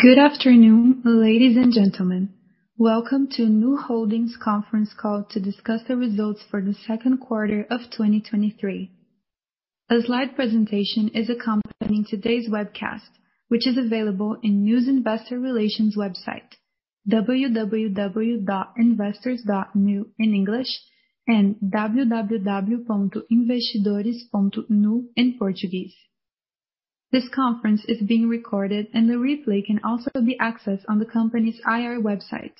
Good afternoon, ladies and gentlemen. Welcome to Nu Holdings conference call to discuss the results for the second quarter of 2023. A slide presentation is accompanying today's webcast, which is available in Nu's Investor Relations website, www.investors.nu in English and www.investidores.nu in Portuguese. This conference is being recorded and the replay can also be accessed on the company's IR website.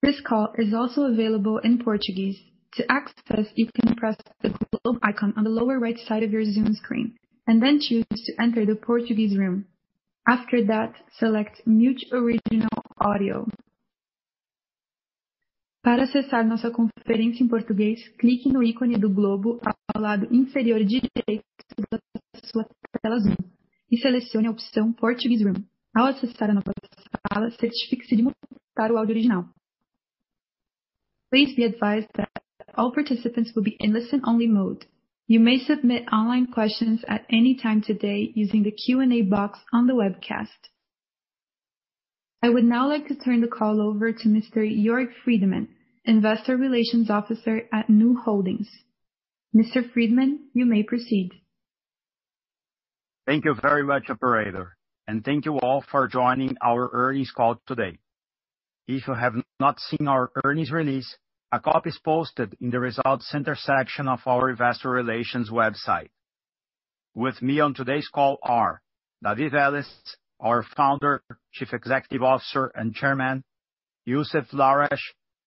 This call is also available in Portuguese. To access, you can press the globe icon on the lower right side of your Zoom screen and then choose to enter the Portuguese room. After that, select Mute Original Audio. Para acessar nossa conferência em português, clique no ícone do globo ao lado inferior direito da sua tela Zoom e selecione a opção Portuguese room. Ao acessar a nova sala, certifique-se de mutar o áudio original. Please be advised that all participants will be in listen-only mode. You may submit online questions at any time today using the Q&A box on the webcast. I would now like to turn the call over to Mr. Jörg Friedemann, Investor Relations Officer at Nu Holdings. Mr. Friedemann, you may proceed. Thank you very much, operator. Thank you all for joining our earnings call today. If you have not seen our earnings release, a copy is posted in the Results Center section of our investor relations website. With me on today's call are David Vélez, our Founder, Chief Executive Officer, and Chairman, Youssef Lahrech,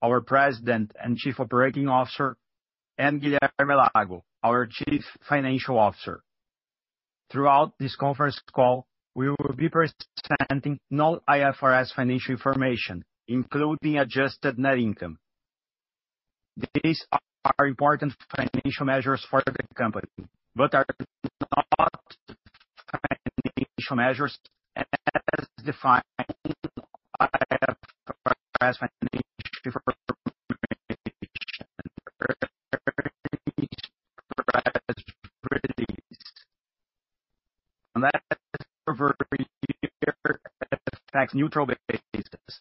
our President and Chief Operating Officer, and Guilherme Lago, our Chief Financial Officer. Throughout this conference call, we will be presenting non-IFRS financial information, including adjusted net income. These are important financial measures for the company, but are not financial measures as defined by IFRS financial information... That is for FX-neutral basis.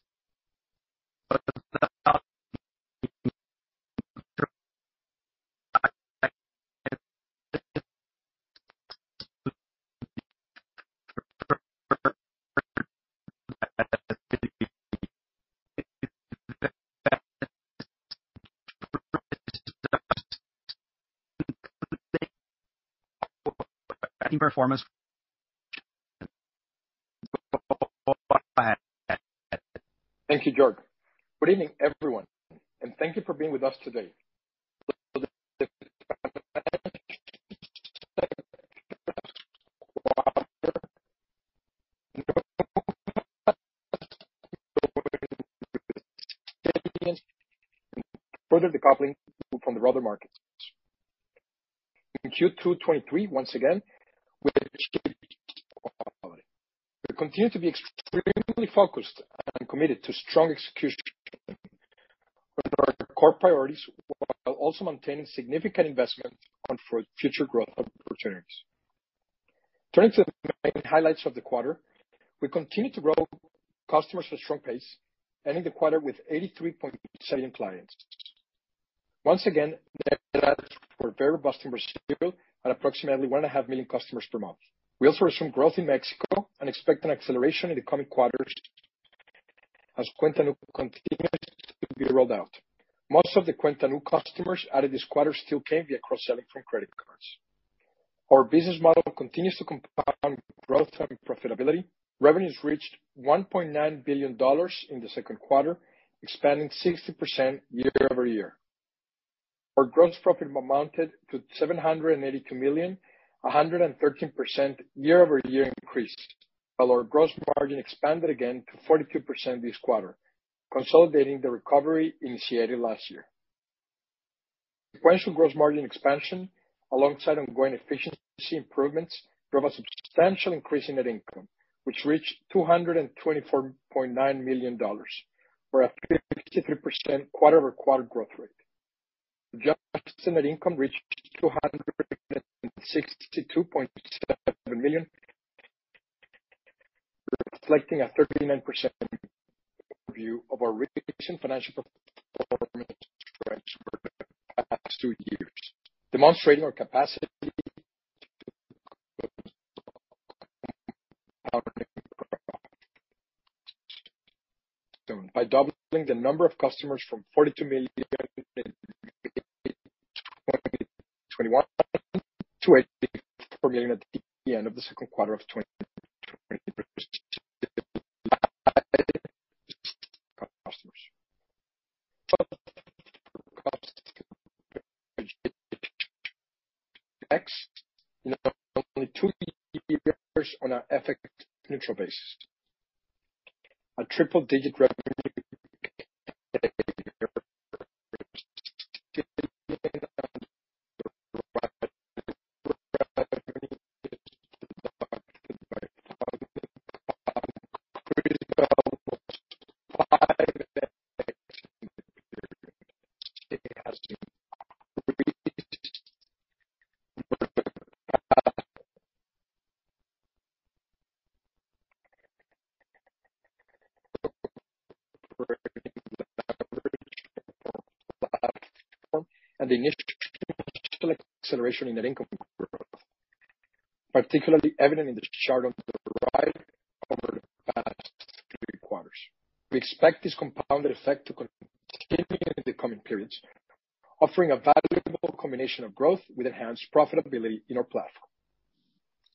Thank you, Jörg. Good evening, everyone, thank you for being with us today. Further decoupling from the other markets. In Q2 2023, once again, We continue to be extremely focused and committed to strong execution on our core priorities, while also maintaining significant investment on for future growth opportunities. Turning to the main highlights of the quarter, we continue to grow customers at a strong pace, ending the quarter with 83.7 million clients. Once again, posting very robust metrics at approximately 1.5 million customers per month. We also have some growth in Mexico and expect an acceleration in the coming quarters as Cuenta Nu continues to be rolled out. Most of the Cuenta Nu customers added this quarter still came via cross-selling from credit cards. Our business model continues to compound growth and profitability. Revenues reached $1.9 billion in the 2Q, expanding 60% year-over-year. Our gross profit amounted to $782 million, a 113% year-over-year increase, while our gross margin expanded again to 42% this quarter, consolidating the recovery initiated last year. Sequential gross margin expansion, alongside ongoing efficiency improvements, drove a substantial increase in net income, which reached $224.9 million, or a 53% quarter-over-quarter growth rate. Adjusted net income reached $262.7 million, reflecting a 39% review of our recent financial performance for the past two years, demonstrating our capacity... By doubling the number of customers from 42 million in 2021 to 84 million at the end of the 2Q of 2022. Only two years on our FX-neutral basis. A triple-digit revenue. The initial acceleration in net income growth, particularly evident in the chart on the right over the past three quarters. We expect this compounded effect to continue in the coming periods, offering a valuable combination of growth with enhanced profitability in our platform.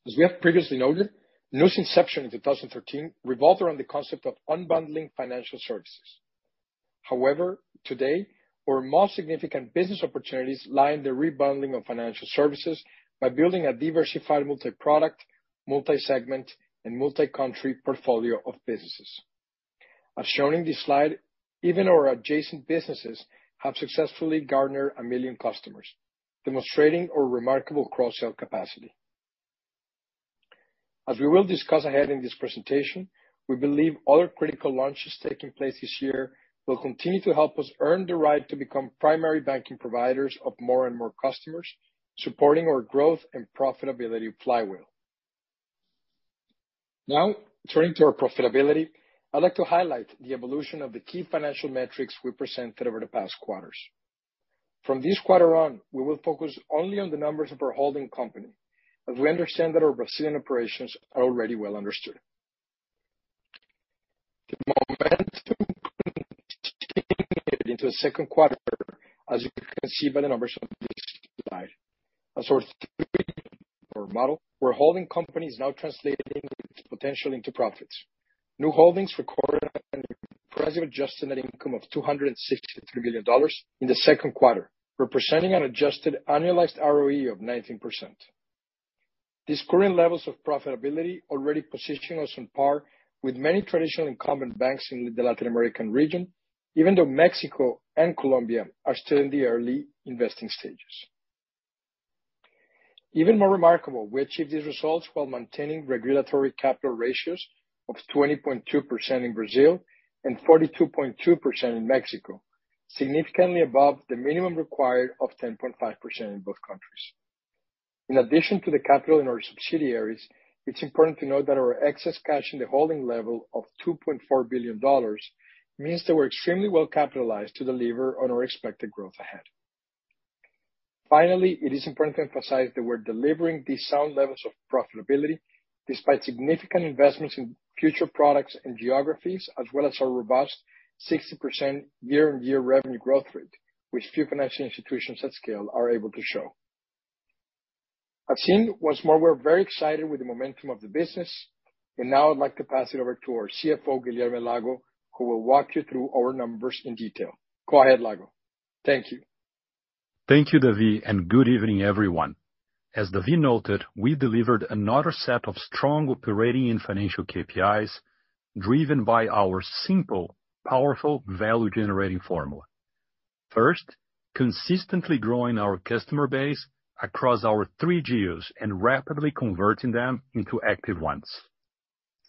As we have previously noted, Nu's inception in 2013 revolved around the concept of unbundling financial services. However, today, our most significant business opportunities lie in the rebundling of financial services by building a diversified multi-product, multi-segment, and multi-country portfolio of businesses. As shown in this slide, even our adjacent businesses have successfully garnered a million customers, demonstrating our remarkable cross-sell capacity. As we will discuss ahead in this presentation, we believe other critical launches taking place this year will continue to help us earn the right to become primary banking providers of more and more customers, supporting our growth and profitability flywheel. Turning to our profitability, I'd like to highlight the evolution of the key financial metrics we presented over the past quarters. From this quarter on, we will focus only on the numbers of our holding company, as we understand that our Brazilian operations are already well understood. The momentum into the second quarter, as you can see by the numbers on this slide, as our model, where holding companies now translating its potential into profits. Nu Holdings recorded an impressive adjusted net income of $263 billion in the second quarter, representing an adjusted annualized ROE of 19%. These current levels of profitability already position us on par with many traditional incumbent banks in the Latin American region, even though Mexico and Colombia are still in the early investing stages. Even more remarkable, we achieved these results while maintaining regulatory capital ratios of 20.2% in Brazil and 42.2% in Mexico, significantly above the minimum required of 10.5% in both countries. In addition to the capital in our subsidiaries, it's important to note that our excess cash in the holding level of $2.4 billion means that we're extremely well capitalized to deliver on our expected growth ahead. Finally, it is important to emphasize that we're delivering these sound levels of profitability despite significant investments in future products and geographies, as well as our robust 60% year-on-year revenue growth rate, which few financial institutions at scale are able to show. I've seen once more, we're very excited with the momentum of the business. Now I'd like to pass it over to our CFO, Guilherme Lago, who will walk you through our numbers in detail. Go ahead, Lago. Thank you. Thank you, David, and good evening, everyone. As David noted, we delivered another set of strong operating and financial KPIs, driven by our simple, powerful, value-generating formula. First, consistently growing our customer base across our three geos and rapidly converting them into active ones.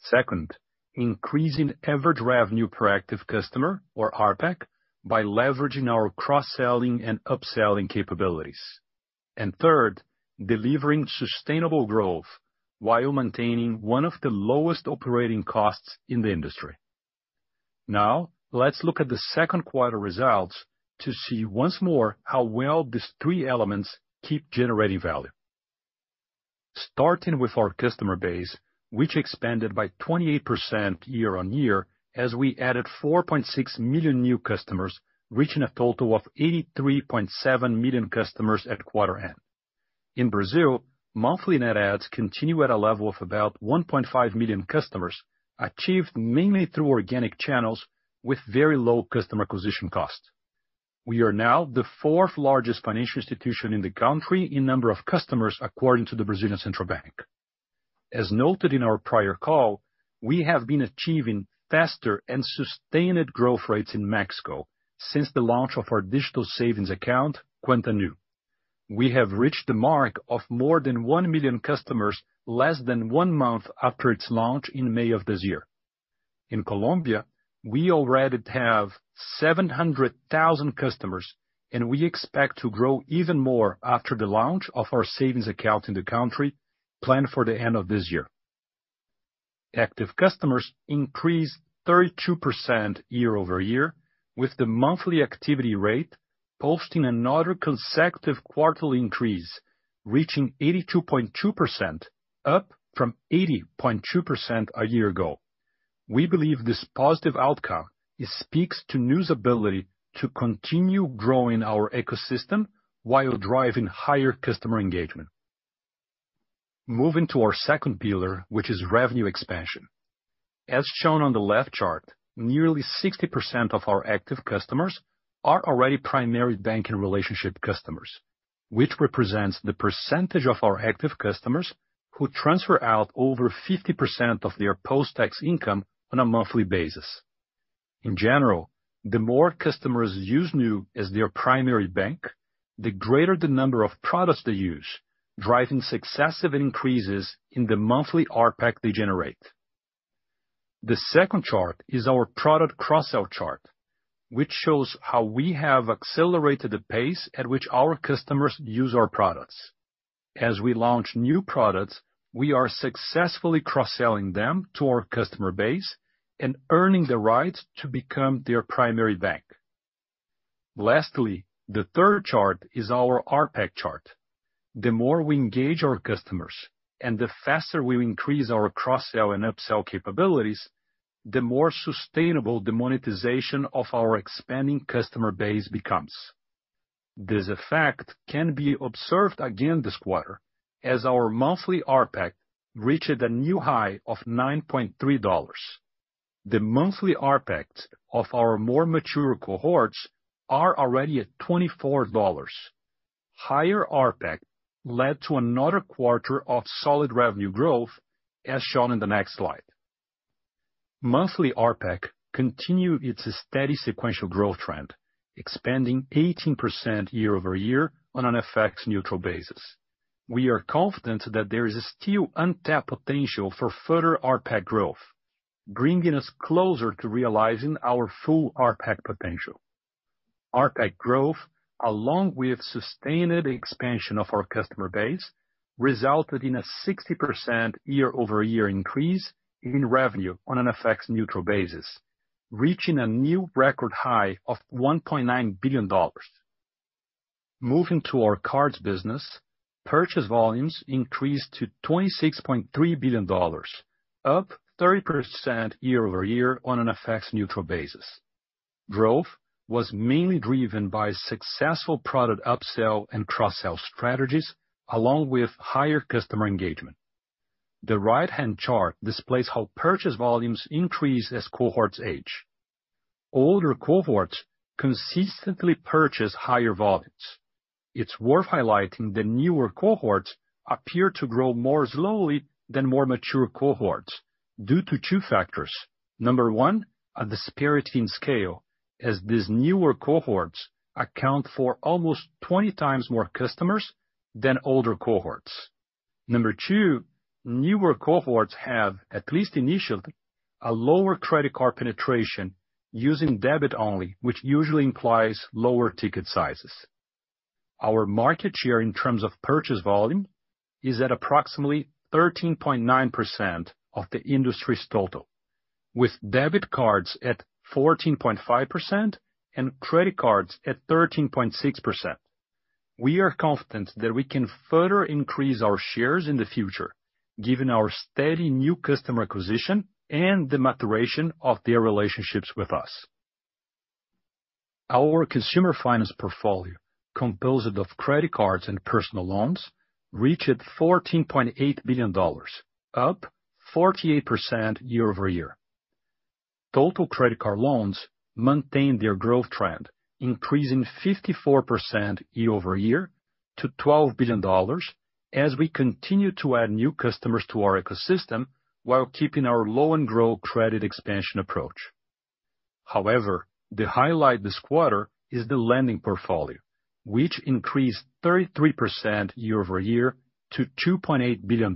Second, increasing average revenue per active customer or RPAC, by leveraging our cross-selling and upselling capabilities. Third, delivering sustainable growth while maintaining one of the lowest operating costs in the industry. Now, let's look at the second quarter results to see once more how well these three elements keep generating value. Starting with our customer base, which expanded by 28% year-on-year as we added 4.6 million new customers, reaching a total of 83.7 million customers at quarter-end. In Brazil, monthly net adds continue at a level of about 1.5 million customers, achieved mainly through organic channels with very low customer acquisition costs. We are now the fourth largest financial institution in the country in number of customers, according to the Brazilian Central Bank. As noted in our prior call, we have been achieving faster and sustained growth rates in Mexico since the launch of our digital savings account, Cuenta Nu. We have reached the mark of more than 1 million customers less than 1 month after its launch in May of this year. In Colombia, we already have 700,000 customers. We expect to grow even more after the launch of our savings account in the country, planned for the end of this year. Active customers increased 32% year-over-year, with the monthly activity rate posting another consecutive quarterly increase, reaching 82.2%, up from 80.2% a year ago. We believe this positive outcome speaks to Nu's ability to continue growing our ecosystem while driving higher customer engagement. Moving to our second pillar, which is revenue expansion. As shown on the left chart, nearly 60% of our active customers are already primary banking relationship customers, which represents the percentage of our active customers who transfer out over 50% of their post-tax income on a monthly basis. In general, the more customers use Nu as their primary bank, the greater the number of products they use, driving successive increases in the monthly RPAC they generate.... The second chart is our product cross-sell chart, which shows how we have accelerated the pace at which our customers use our products. As we launch new products, we are successfully cross-selling them to our customer base and earning the right to become their primary bank. Lastly, the third chart is our RPAC chart. The more we engage our customers, and the faster we increase our cross-sell and upsell capabilities, the more sustainable the monetization of our expanding customer base becomes. This effect can be observed again this quarter, as our monthly RPAC reached a new high of $9.3. The monthly RPAC of our more mature cohorts are already at $24. Higher RPAC led to another quarter of solid revenue growth, as shown in the next slide. Monthly RPAC continued its steady sequential growth trend, expanding 18% year-over-year on an FX-neutral basis. We are confident that there is still untapped potential for further RPAC growth, bringing us closer to realizing our full RPAC potential. RPAC growth, along with sustained expansion of our customer base, resulted in a 60% year-over-year increase in revenue on an FX-neutral basis, reaching a new record high of $1.9 billion. Moving to our cards business, purchase volumes increased to $26.3 billion, up 30% year-over-year on an FX-neutral basis. Growth was mainly driven by successful product upsell and cross-sell strategies, along with higher customer engagement. The right-hand chart displays how purchase volumes increase as cohorts age. Older cohorts consistently purchase higher volumes. It's worth highlighting that newer cohorts appear to grow more slowly than more mature cohorts due to two factors. Number one, a disparity in scale, as these newer cohorts account for almost 20x more customers than older cohorts. Number two, newer cohorts have, at least initially, a lower credit card penetration using debit only, which usually implies lower ticket sizes. Our market share in terms of purchase volume is at approximately 13.9% of the industry's total, with debit cards at 14.5% and credit cards at 13.6%. We are confident that we can further increase our shares in the future, given our steady new customer acquisition and the maturation of their relationships with us. Our consumer finance portfolio, composed of credit cards and personal loans, reached $14.8 billion, up 48% year-over-year. Total credit card loans maintained their growth trend, increasing 54% year-over-year to $12 billion, as we continue to add new customers to our ecosystem while keeping our low-and-grow credit expansion approach. The highlight this quarter is the lending portfolio, which increased 33% year-over-year to $2.8 billion.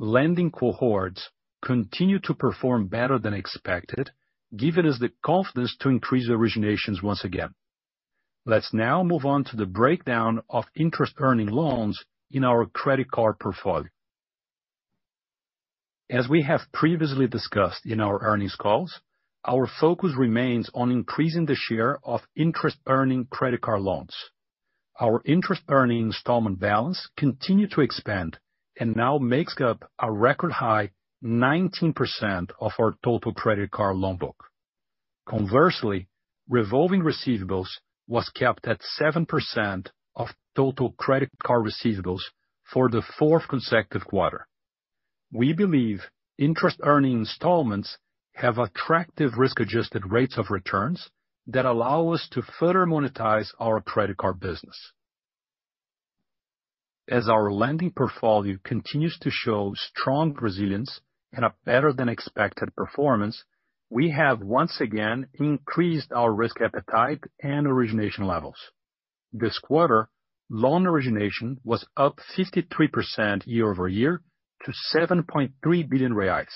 Lending cohorts continue to perform better than expected, giving us the confidence to increase originations once again. Let's now move on to the breakdown of interest-earning loans in our credit card portfolio. As we have previously discussed in our earnings calls, our focus remains on increasing the share of interest-earning credit card loans. Our interest-earning installment balance continued to expand, and now makes up a record high 19% of our total credit card loan book. Conversely, revolving receivables was kept at 7% of total credit card receivables for the fourth consecutive quarter. We believe interest-earning installments have attractive risk-adjusted rates of returns that allow us to further monetize our credit card business. As our lending portfolio continues to show strong resilience and a better-than-expected performance, we have once again increased our risk appetite and origination levels. This quarter, loan origination was up 53% year-over-year to 7.3 billion reais.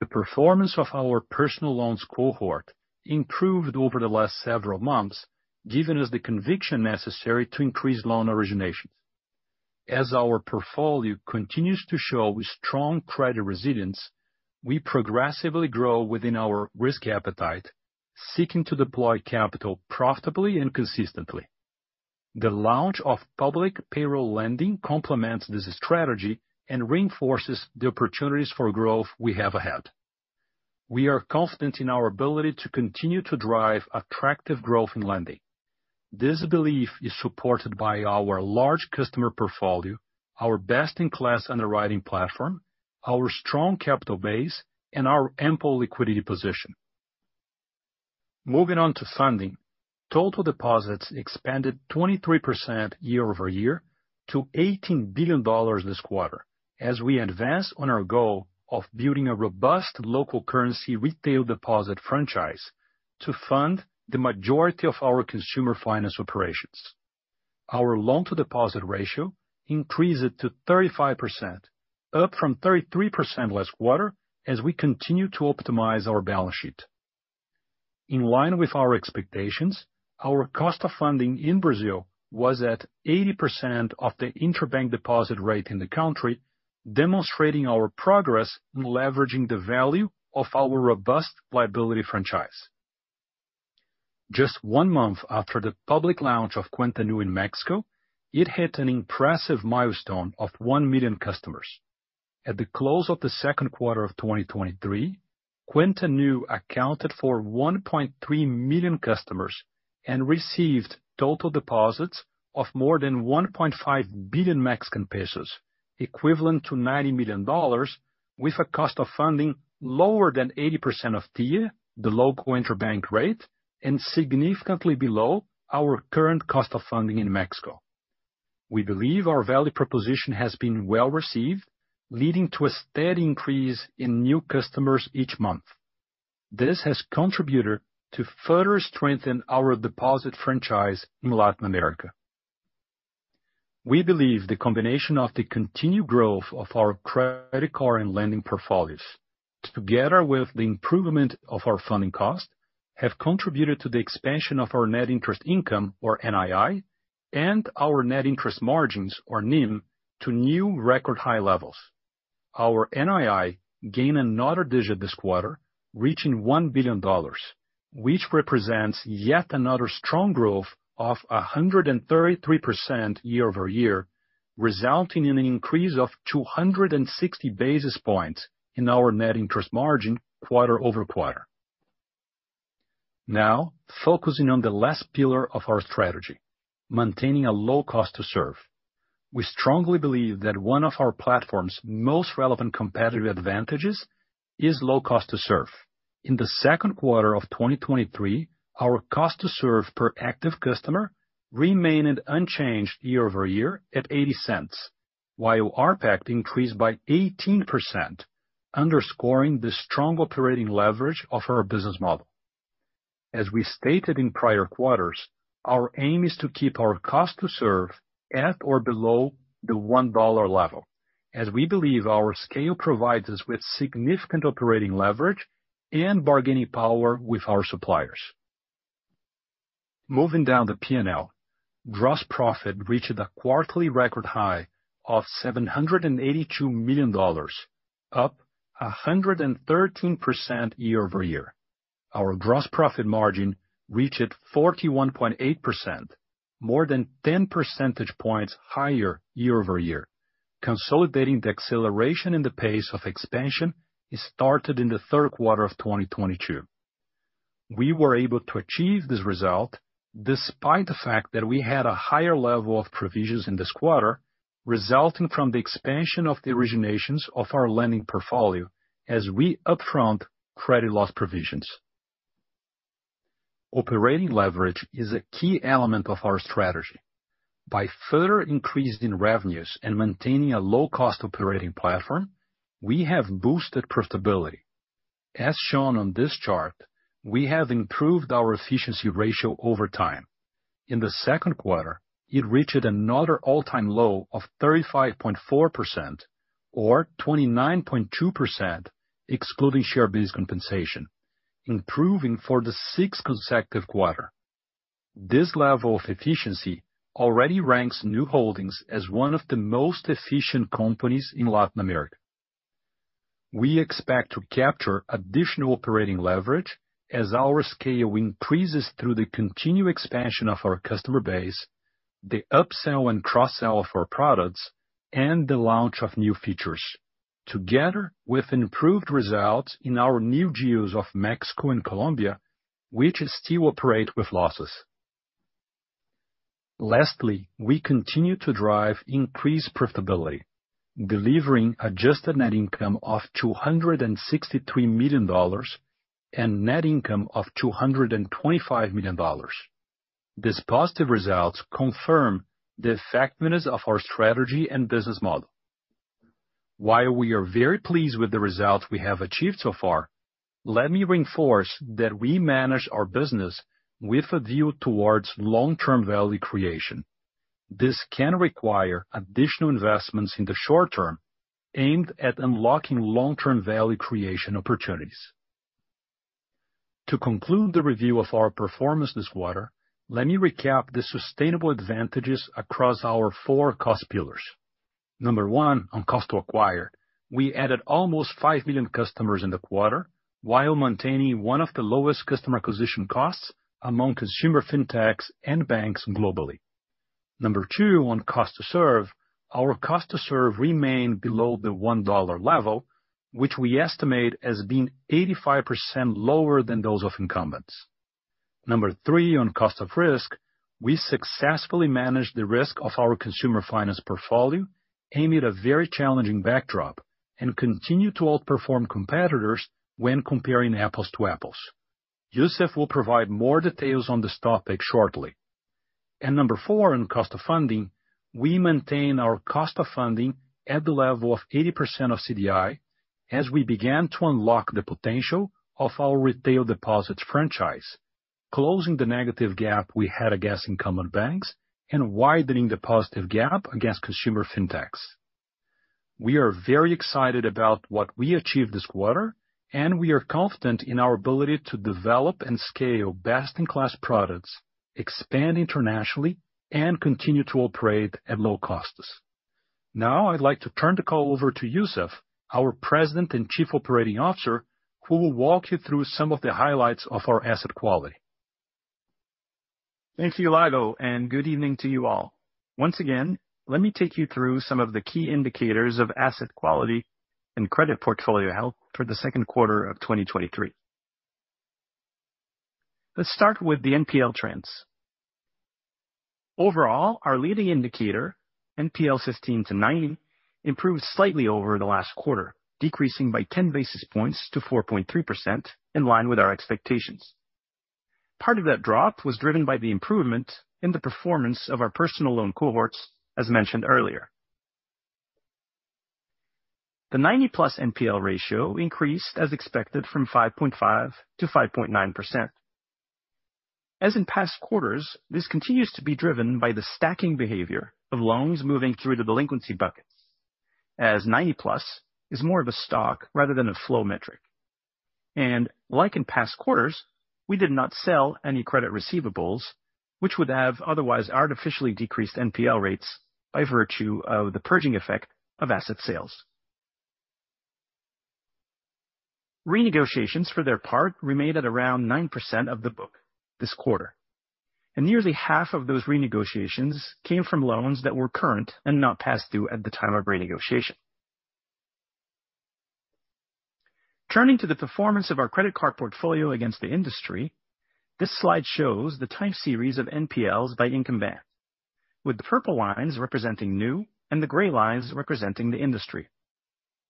The performance of our personal loans cohort improved over the last several months, giving us the conviction necessary to increase loan originations. As our portfolio continues to show strong credit resilience, we progressively grow within our risk appetite, seeking to deploy capital profitably and consistently. The launch of public payroll lending complements this strategy and reinforces the opportunities for growth we have ahead. We are confident in our ability to continue to drive attractive growth in lending. This belief is supported by our large customer portfolio, our best-in-class underwriting platform, our strong capital base, and our ample liquidity position. Moving on to funding. Total deposits expanded 23% year-over-year to $18 billion this quarter, as we advance on our goal of building a robust local currency retail deposit franchise to fund the majority of our consumer finance operations. Our loan to deposit ratio increased to 35%, up from 33% last quarter, as we continue to optimize our balance sheet. In line with our expectations, our cost of funding in Brazil was at 80% of the interbank deposit rate in the country, demonstrating our progress in leveraging the value of our robust liability franchise. Just 1 month after the public launch of Cuenta Nu in Mexico, it hit an impressive milestone of 1 million customers. At the close of the second quarter of 2023, Cuenta Nu accounted for 1.3 million customers and received total deposits of more than 1.5 billion Mexican pesos, equivalent to $90 million, with a cost of funding lower than 80% of TIIE, the local interbank rate, and significantly below our current cost of funding in Mexico. We believe our value proposition has been well received, leading to a steady increase in new customers each month. This has contributed to further strengthen our deposit franchise in Latin America. We believe the combination of the continued growth of our credit card and lending portfolios, together with the improvement of our funding cost, have contributed to the expansion of our net interest income, or NII, and our net interest margins, or NIM, to new record high levels. Our NII gained another digit this quarter, reaching $1 billion, which represents yet another strong growth of 133% year-over-year, resulting in an increase of 260 basis points in our net interest margin quarter-over-quarter. Now, focusing on the last pillar of our strategy: maintaining a low cost to serve. We strongly believe that one of our platform's most relevant competitive advantages is low cost to serve. In the second quarter of 2023, our cost to serve per active customer remained unchanged year-over-year at $0.80, while RPAC increased by 18%, underscoring the strong operating leverage of our business model. As we stated in prior quarters, our aim is to keep our cost to serve at or below the $1 level, as we believe our scale provides us with significant operating leverage and bargaining power with our suppliers. Moving down the P&L, gross profit reached a quarterly record high of $782 million, up 113% year-over-year. Our gross profit margin reached 41.8%, more than 10 percentage points higher year-over-year, consolidating the acceleration in the pace of expansion it started in the third quarter of 2022. We were able to achieve this result despite the fact that we had a higher level of provisions in this quarter, resulting from the expansion of the originations of our lending portfolio as we upfront credit loss provisions. Operating leverage is a key element of our strategy. By further increasing revenues and maintaining a low-cost operating platform, we have boosted profitability. As shown on this chart, we have improved our efficiency ratio over time. In the second quarter, it reached another all-time low of 35.4%, or 29.2%, excluding share-based compensation, improving for the sixth consecutive quarter. This level of efficiency already ranks Nu Holdings as one of the most efficient companies in Latin America. We expect to capture additional operating leverage as our scale increases through the continued expansion of our customer base, the upsell and cross-sell of our products, and the launch of new features, together with improved results in our new geos of Mexico and Colombia, which still operate with losses. Lastly, we continue to drive increased profitability, delivering adjusted net income of $263 million and net income of $225 million. These positive results confirm the effectiveness of our strategy and business model. While we are very pleased with the results we have achieved so far, let me reinforce that we manage our business with a view towards long-term value creation. This can require additional investments in the short term, aimed at unlocking long-term value creation opportunities. To conclude the review of our performance this quarter, let me recap the sustainable advantages across our four cost pillars. Number One, on cost to acquire, we added almost 5 million customers in the quarter, while maintaining one of the lowest customer acquisition costs among consumer fintechs and banks globally. Number Two, on cost to serve, our cost to serve remained below the $1 level, which we estimate as being 85% lower than those of incumbents. Number three, on cost of risk, we successfully managed the risk of our consumer finance portfolio, amid a very challenging backdrop, and continue to outperform competitors when comparing apples to apples. Youssef will provide more details on this topic shortly. Number four, on cost of funding, we maintain our cost of funding at the level of 80% of CDI. as we began to unlock the potential of our retail deposits franchise, closing the negative gap we had against incumbent banks, and widening the positive gap against consumer fintechs. We are very excited about what we achieved this quarter, and we are confident in our ability to develop and scale best-in-class products, expand internationally, and continue to operate at low costs. Now I'd like to turn the call over to Youssef, our President and Chief Operating Officer, who will walk you through some of the highlights of our asset quality. Thank you, Lago, and good evening to you all. Once again, let me take you through some of the key indicators of asset quality and credit portfolio health for the second quarter of 2023. Let's start with the NPL trends. Overall, our leading indicator, NPL 16-90, improved slightly over the last quarter, decreasing by 10 basis points to 4.3%, in line with our expectations. Part of that drop was driven by the improvement in the performance of our personal loan cohorts, as mentioned earlier. The 90+ NPL ratio increased as expected from 5.5%-5.9%. As in past quarters, this continues to be driven by the stacking behavior of loans moving through the delinquency buckets, as 90+ is more of a stock rather than a flow metric. Like in past quarters, we did not sell any credit receivables, which would have otherwise artificially decreased NPL rates by virtue of the purging effect of asset sales. Renegotiations, for their part, remained at around 9% of the book this quarter, and nearly half of those renegotiations came from loans that were current and not past due at the time of renegotiation. Turning to the performance of our credit card portfolio against the industry, this slide shows the time series of NPLs by income band, with the purple lines representing Nu, and the gray lines representing the industry.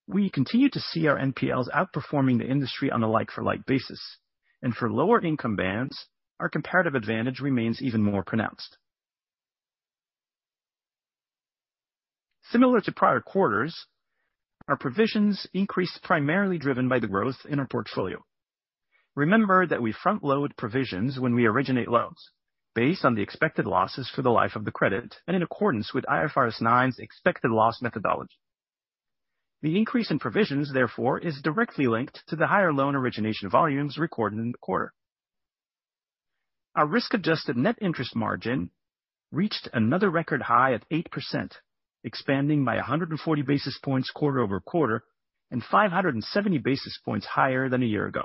We continue to see our NPLs outperforming the industry on a like-for-like basis, and for lower income bands, our comparative advantage remains even more pronounced. Similar to prior quarters, our provisions increased, primarily driven by the growth in our portfolio. Remember that we front-load provisions when we originate loans based on the expected losses for the life of the credit and in accordance with IFRS 9's expected loss methodology. The increase in provisions, therefore, is directly linked to the higher loan origination volumes recorded in the quarter. Our risk-adjusted net interest margin reached another record high of 8%, expanding by 140 basis points quarter-over-quarter, and 570 basis points higher than a year ago.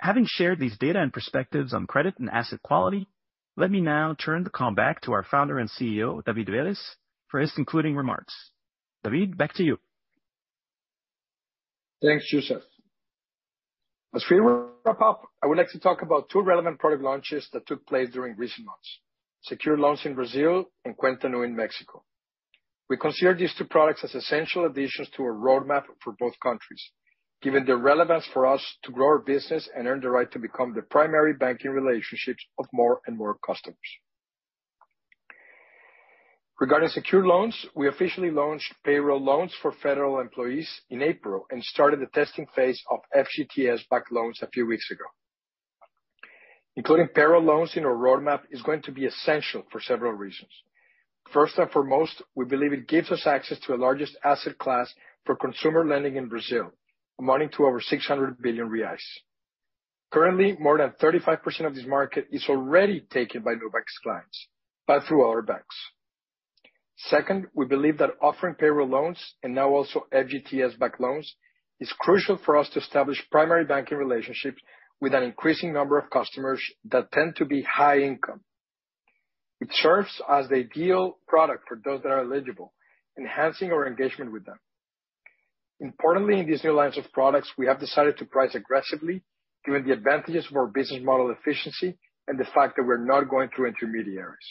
Having shared these data and perspectives on credit and asset quality, let me now turn the call back to our founder and CEO, David Vélez, for his concluding remarks. David, back to you. Thanks, Youssef. As we wrap up, I would like to talk about two relevant product launches that took place during recent months: secured loans in Brazil and Cuenta Nu in Mexico. We consider these two products as essential additions to our roadmap for both countries, given the relevance for us to grow our business and earn the right to become the primary banking relationships of more and more customers. Regarding secured loans, we officially launched payroll loans for federal employees in April and started the testing phase of FGTS-backed loans a few weeks ago. Including payroll loans in our roadmap is going to be essential for several reasons. First and foremost, we believe it gives us access to the largest asset class for consumer lending in Brazil, amounting to over 600 billion reais. Currently, more than 35% of this market is already taken by Nubank's clients, but through other banks. Second, we believe that offering payroll loans, and now also FGTS-backed loans, is crucial for us to establish primary banking relationships with an increasing number of customers that tend to be high income. It serves as the ideal product for those that are eligible, enhancing our engagement with them. Importantly, in these new lines of products, we have decided to price aggressively, given the advantages of our business model efficiency and the fact that we're not going through intermediaries.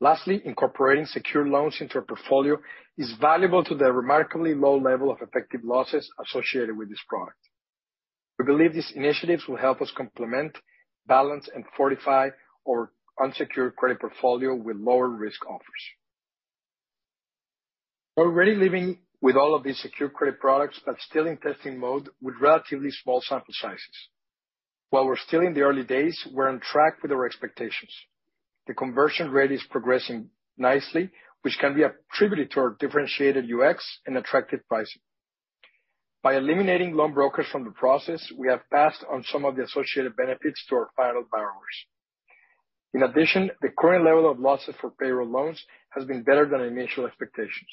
Lastly, incorporating secure loans into our portfolio is valuable to the remarkably low level of effective losses associated with this product. We believe these initiatives will help us complement, balance, and fortify our unsecured credit portfolio with lower risk offers. We're already living with all of these secure credit products, but still in testing mode with relatively small sample sizes. While we're still in the early days, we're on track with our expectations. The conversion rate is progressing nicely, which can be attributed to our differentiated UX and attractive pricing. By eliminating loan brokers from the process, we have passed on some of the associated benefits to our final borrowers. In addition, the current level of losses for payroll loans has been better than our initial expectations.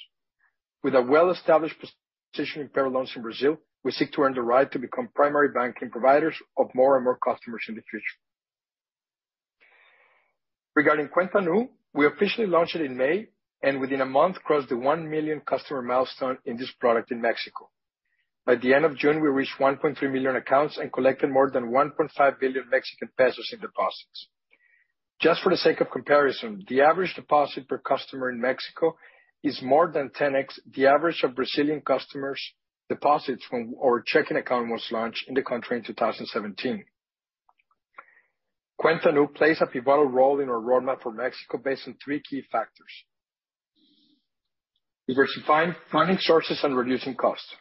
With a well-established position in payroll loans in Brazil, we seek to earn the right to become primary banking providers of more and more customers in the future. Regarding Cuenta Nu, we officially launched it in May, and within a month, crossed the 1 million customer milestone in this product in Mexico. By the end of June, we reached 1.3 million accounts and collected more than 1.5 billion Mexican pesos in deposits. Just for the sake of comparison, the average deposit per customer in Mexico is more than 10x the average of Brazilian customers' deposits when our checking account was launched in the country in 2017. Cuenta Nu plays a pivotal role in our roadmap for Mexico based on three key factors: diversifying funding sources and reducing costs.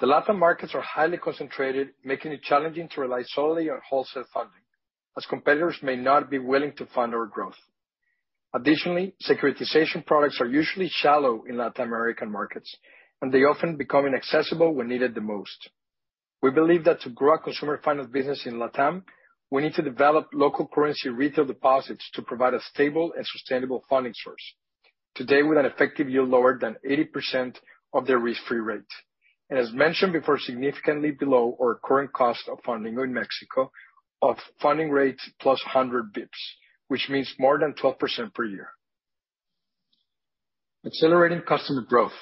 The Latin markets are highly concentrated, making it challenging to rely solely on wholesale funding, as competitors may not be willing to fund our growth. Additionally, securitization products are usually shallow in Latin American markets, and they often become inaccessible when needed the most. We believe that to grow our consumer finance business in LATAM, we need to develop local currency retail deposits to provide a stable and sustainable funding source. Today, with an effective yield lower than 80% of their risk-free rate, and as mentioned before, significantly below our current cost of funding in Mexico of funding rates plus 100 basis points, which means more than 12% per year. Accelerating customer growth.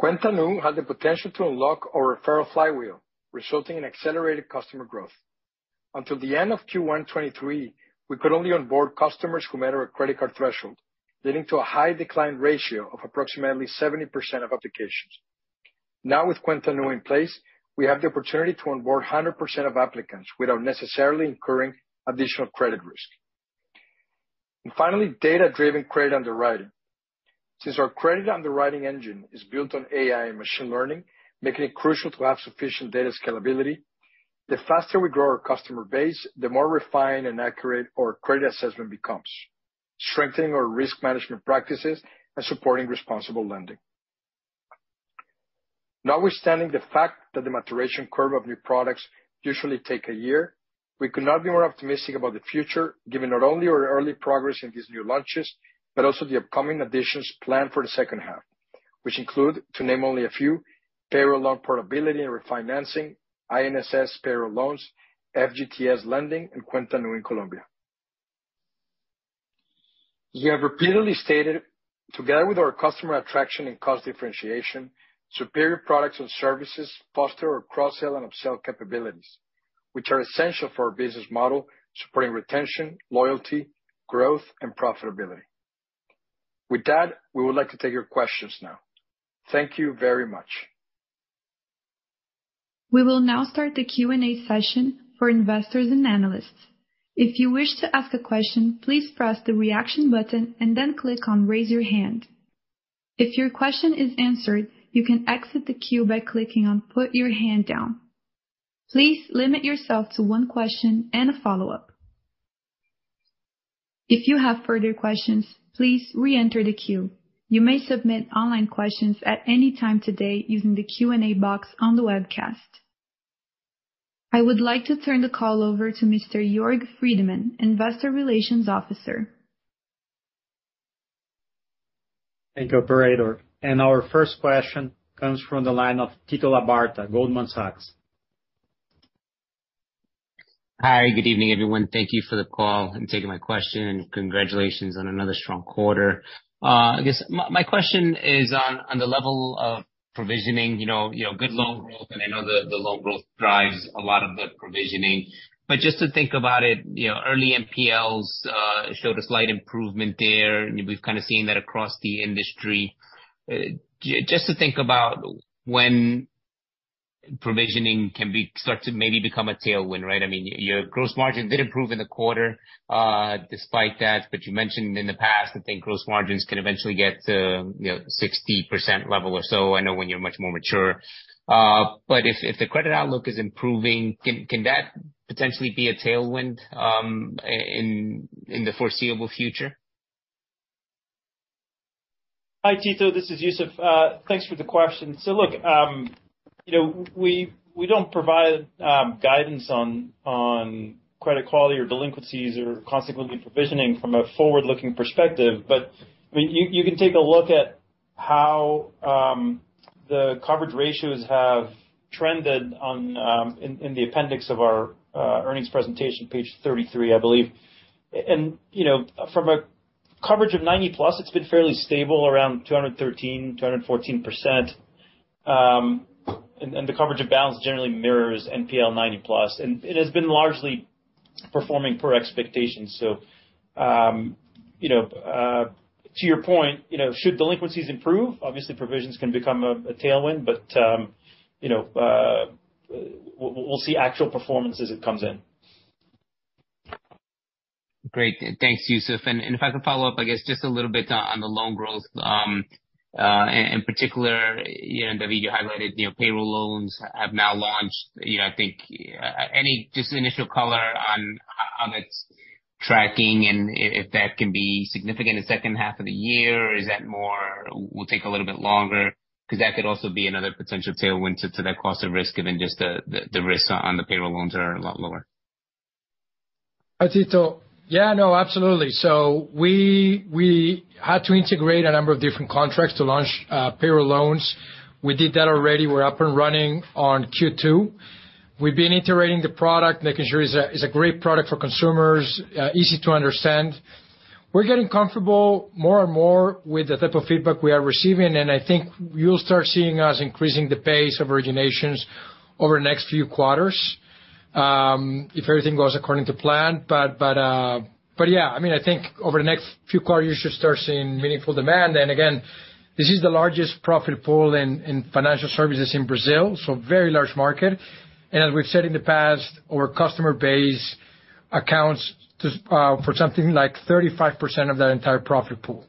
Cuenta Nu has the potential to unlock our referral flywheel, resulting in accelerated customer growth. Until the end of Q1 2023, we could only onboard customers who met our credit card threshold, leading to a high decline ratio of approximately 70% of applications. Now, with Cuenta Nu in place, we have the opportunity to onboard 100% of applicants without necessarily incurring additional credit risk. Finally, data-driven credit underwriting. Since our credit underwriting engine is built on AI and machine learning, making it crucial to have sufficient data scalability, the faster we grow our customer base, the more refined and accurate our credit assessment becomes, strengthening our risk management practices and supporting responsible lending. Notwithstanding the fact that the maturation curve of new products usually take a year, we could not be more optimistic about the future, given not only our early progress in these new launches, but also the upcoming additions planned for the second half, which include, to name only a few, payroll loan portability and refinancing, INSS payroll loans, FGTS lending, and Cuenta Nu in Colombia. We have repeatedly stated, together with our customer attraction and cost differentiation, superior products and services foster our cross-sell and upsell capabilities, which are essential for our business model, supporting retention, loyalty, growth, and profitability. With that, we would like to take your questions now. Thank you very much. We will now start the Q&A session for investors and analysts. If you wish to ask a question, please press the Reaction button and then click on Raise Your Hand. If your question is answered, you can exit the queue by clicking on Put Your Hand Down. Please limit yourself to one question and a follow-up. If you have further questions, please reenter the queue. You may submit online questions at any time today using the Q&A box on the webcast. I would like to turn the call over to Mr. Jörg Friedemann, investor relations officer. Thank you, operator. Our first question comes from the line of Tito Labarta, Goldman Sachs. Hi, good evening, everyone. Thank you for the call and taking my question, and congratulations on another strong quarter. I guess my question is on, on the level of provisioning, you know, you know, good loan growth, and I know the, the loan growth drives a lot of the provisioning, but just to think about it, you know, early NPLs showed a slight improvement there. We've kind of seen that across the industry. Just to think about when provisioning can be-- start to maybe become a tailwind, right? I mean, your gross margin did improve in the quarter, despite that, but you mentioned in the past, I think, gross margins can eventually get to, you know, 60% level or so, I know when you're much more mature. If, if the credit outlook is improving, can, can that potentially be a tailwind, in the foreseeable future? Hi, Tito. This is Youssef. Thanks for the question. Look, you know, we don't provide guidance on credit quality or delinquencies or consequently provisioning from a forward-looking perspective. I mean, you can take a look at how the coverage ratios have trended in the appendix of our earnings presentation, page 33, I believe. You know, from a coverage of 90+, it's been fairly stable, around 213-214%. The coverage of balance generally mirrors NPL 90+, and it has been largely performing per expectations. To your point, you know, should delinquencies improve, obviously provisions can become a tailwind, but, you know, we'll see actual performance as it comes in. Great. Thanks, Youssef. If I could follow up, I guess, just a little bit on, on the loan growth, in particular, you know, David, you highlighted, you know, payroll loans have now launched. You know, I think, any just initial color on how it's tracking and if that can be significant in the second half of the year, or is that more, will take a little bit longer? Because that could also be another potential tailwind to, to that cost of risk, given just the, the, the risks on the payroll loans are a lot lower. Hi, Tito. Yeah, no, absolutely. We had to integrate a number of different contracts to launch payroll loans. We did that already. We're up and running on Q2. We've been iterating the product, making sure it's a great product for consumers, easy to understand. We're getting comfortable more and more with the type of feedback we are receiving, and I think you'll start seeing us increasing the pace of originations over the next few quarters, if everything goes according to plan. But yeah, I mean, I think over the next few quarters, you should start seeing meaningful demand. Again, this is the largest profit pool in financial services in Brazil, so very large market. As we've said in the past, our customer base accounts for something like 35% of that entire profit pool.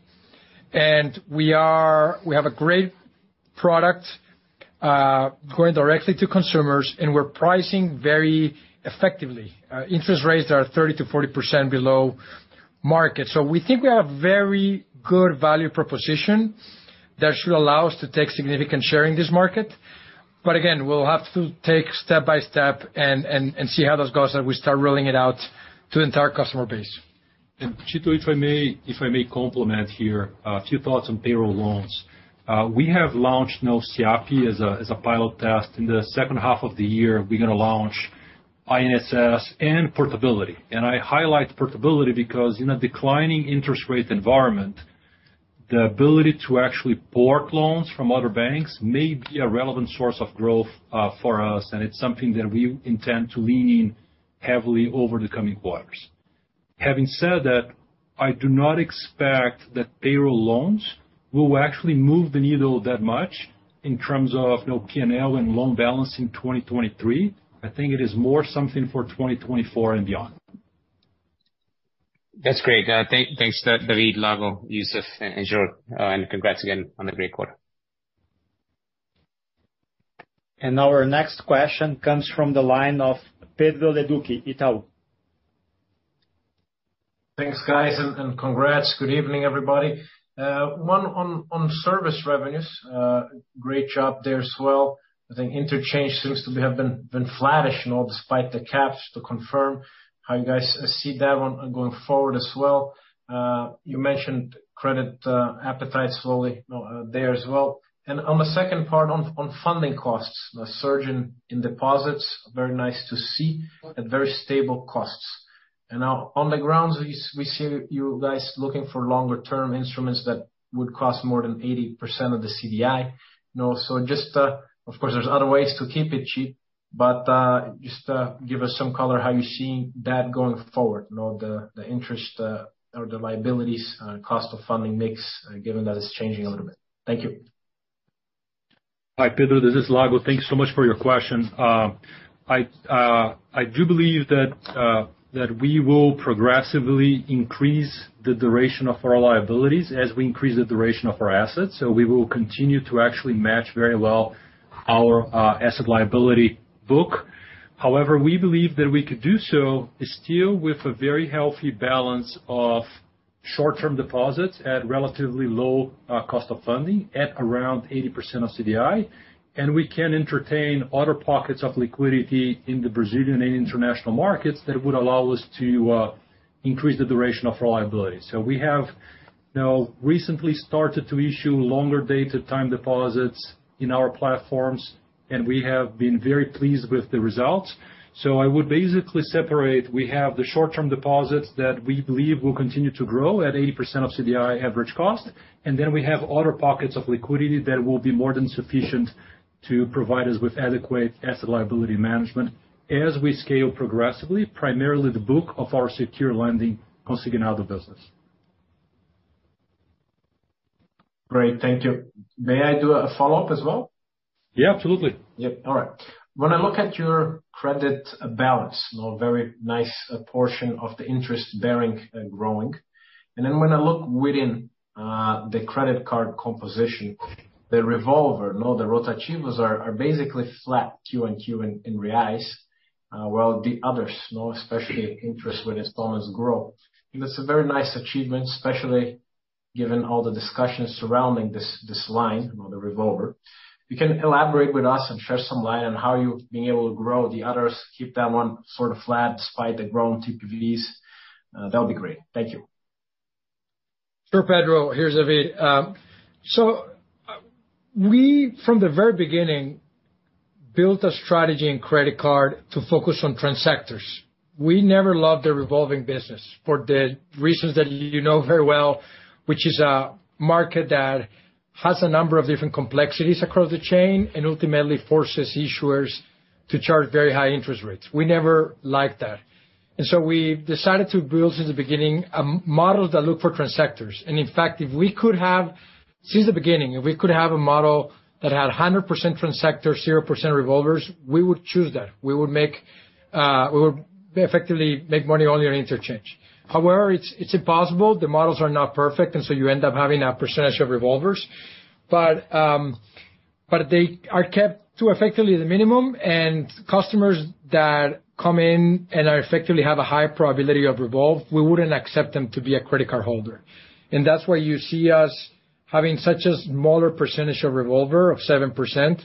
We are, we have a great product, going directly to consumers, and we're pricing very effectively. Interest rates are 30%-40% below market. We think we have very good value proposition that should allow us to take significant share in this market. Again, we'll have to take step by step and, and, and see how those go as we start rolling it out to the entire customer base. Chito, if I may, if I may complement here, a few thoughts on payroll loans. We have launched now SIAPE as a pilot test. In the second half of the year, we're gonna launch INSS and portability. I highlight portability because in a declining interest rate environment, the ability to actually port loans from other banks may be a relevant source of growth for us, and it's something that we intend to lean in heavily over the coming quarters. Having said that, I do not expect that payroll loans will actually move the needle that much in terms of, you know, PNL and loan balance in 2023. I think it is more something for 2024 and beyond. That's great. thank- thanks, David, Lago, Youssef, and Jörg, and congrats again on the great quarter. Our next question comes from the line of Pedro Leduc, Itaú. Thanks, guys, and congrats. Good evening, everybody. One on service revenues. Great job there as well. I think interchange seems to have been flattish, you know, despite the caps, to confirm how you guys see that one going forward as well. You mentioned credit appetite slowly, you know, there as well. On the second part, on funding costs, a surge in deposits, very nice to see, at very stable costs. Now, on the grounds, we see you guys looking for longer term instruments that would cost more than 80% of the CDI. You know, just... Of course, there's other ways to keep it cheap, but, just, give us some color how you're seeing that going forward, you know, the, the interest, or the liabilities, cost of funding mix, given that it's changing a little bit. Thank you. Hi, Pedro, this is Lago. Thanks so much for your question. I do believe that we will progressively increase the duration of our liabilities as we increase the duration of our assets. We will continue to actually match very well our asset liability book. However, we believe that we could do so still with a very healthy balance of short-term deposits at relatively low cost of funding at around 80% of CDI, and we can entertain other pockets of liquidity in the Brazilian and international markets that would allow us to increase the duration of our liability. We have now recently started to issue longer dated time deposits in our platforms, and we have been very pleased with the results. I would basically separate. We have the short-term deposits that we believe will continue to grow at 80% of CDI average cost. We have other pockets of liquidity that will be more than sufficient to provide us with adequate asset liability management as we scale progressively, primarily the book of our secure lending Consignado business. Great. Thank you. May I do a follow-up as well? Yeah, absolutely. Yeah. All right. When I look at your credit balance, you know, very nice portion of the interest bearing and growing. Then when I look within, the credit card composition, the revolver, you know, the rotativos, are, are basically flat Q-on-Q in, in reais, while the others, you know, especially interest with installments grow. It's a very nice achievement, especially given all the discussions surrounding this, this line or the revolver. You can elaborate with us and share some light on how you've been able to grow the others, keep that one sort of flat despite the growing TPVs? That'll be great. Thank you. Sure, Pedro, here's David Vélez. We, from the very beginning, built a strategy in credit card to focus on transectors. We never loved the revolving business for the reasons that you know very well, which is a market that has a number of different complexities across the chain and ultimately forces issuers to charge very high interest rates. We never liked that. We decided to build, since the beginning, a model that look for transectors. If we could have Since the beginning, if we could have a model that had 100% transector, 0% revolvers, we would choose that. We would make, we would effectively make money only on interchange. However, it's, it's impossible. The models are not perfect, you end up having a percentage of revolvers. They are kept to effectively the minimum, and customers that come in and are effectively have a high probability of revolve, we wouldn't accept them to be a credit card holder. That's why you see us having such a smaller percentage of revolver of 7%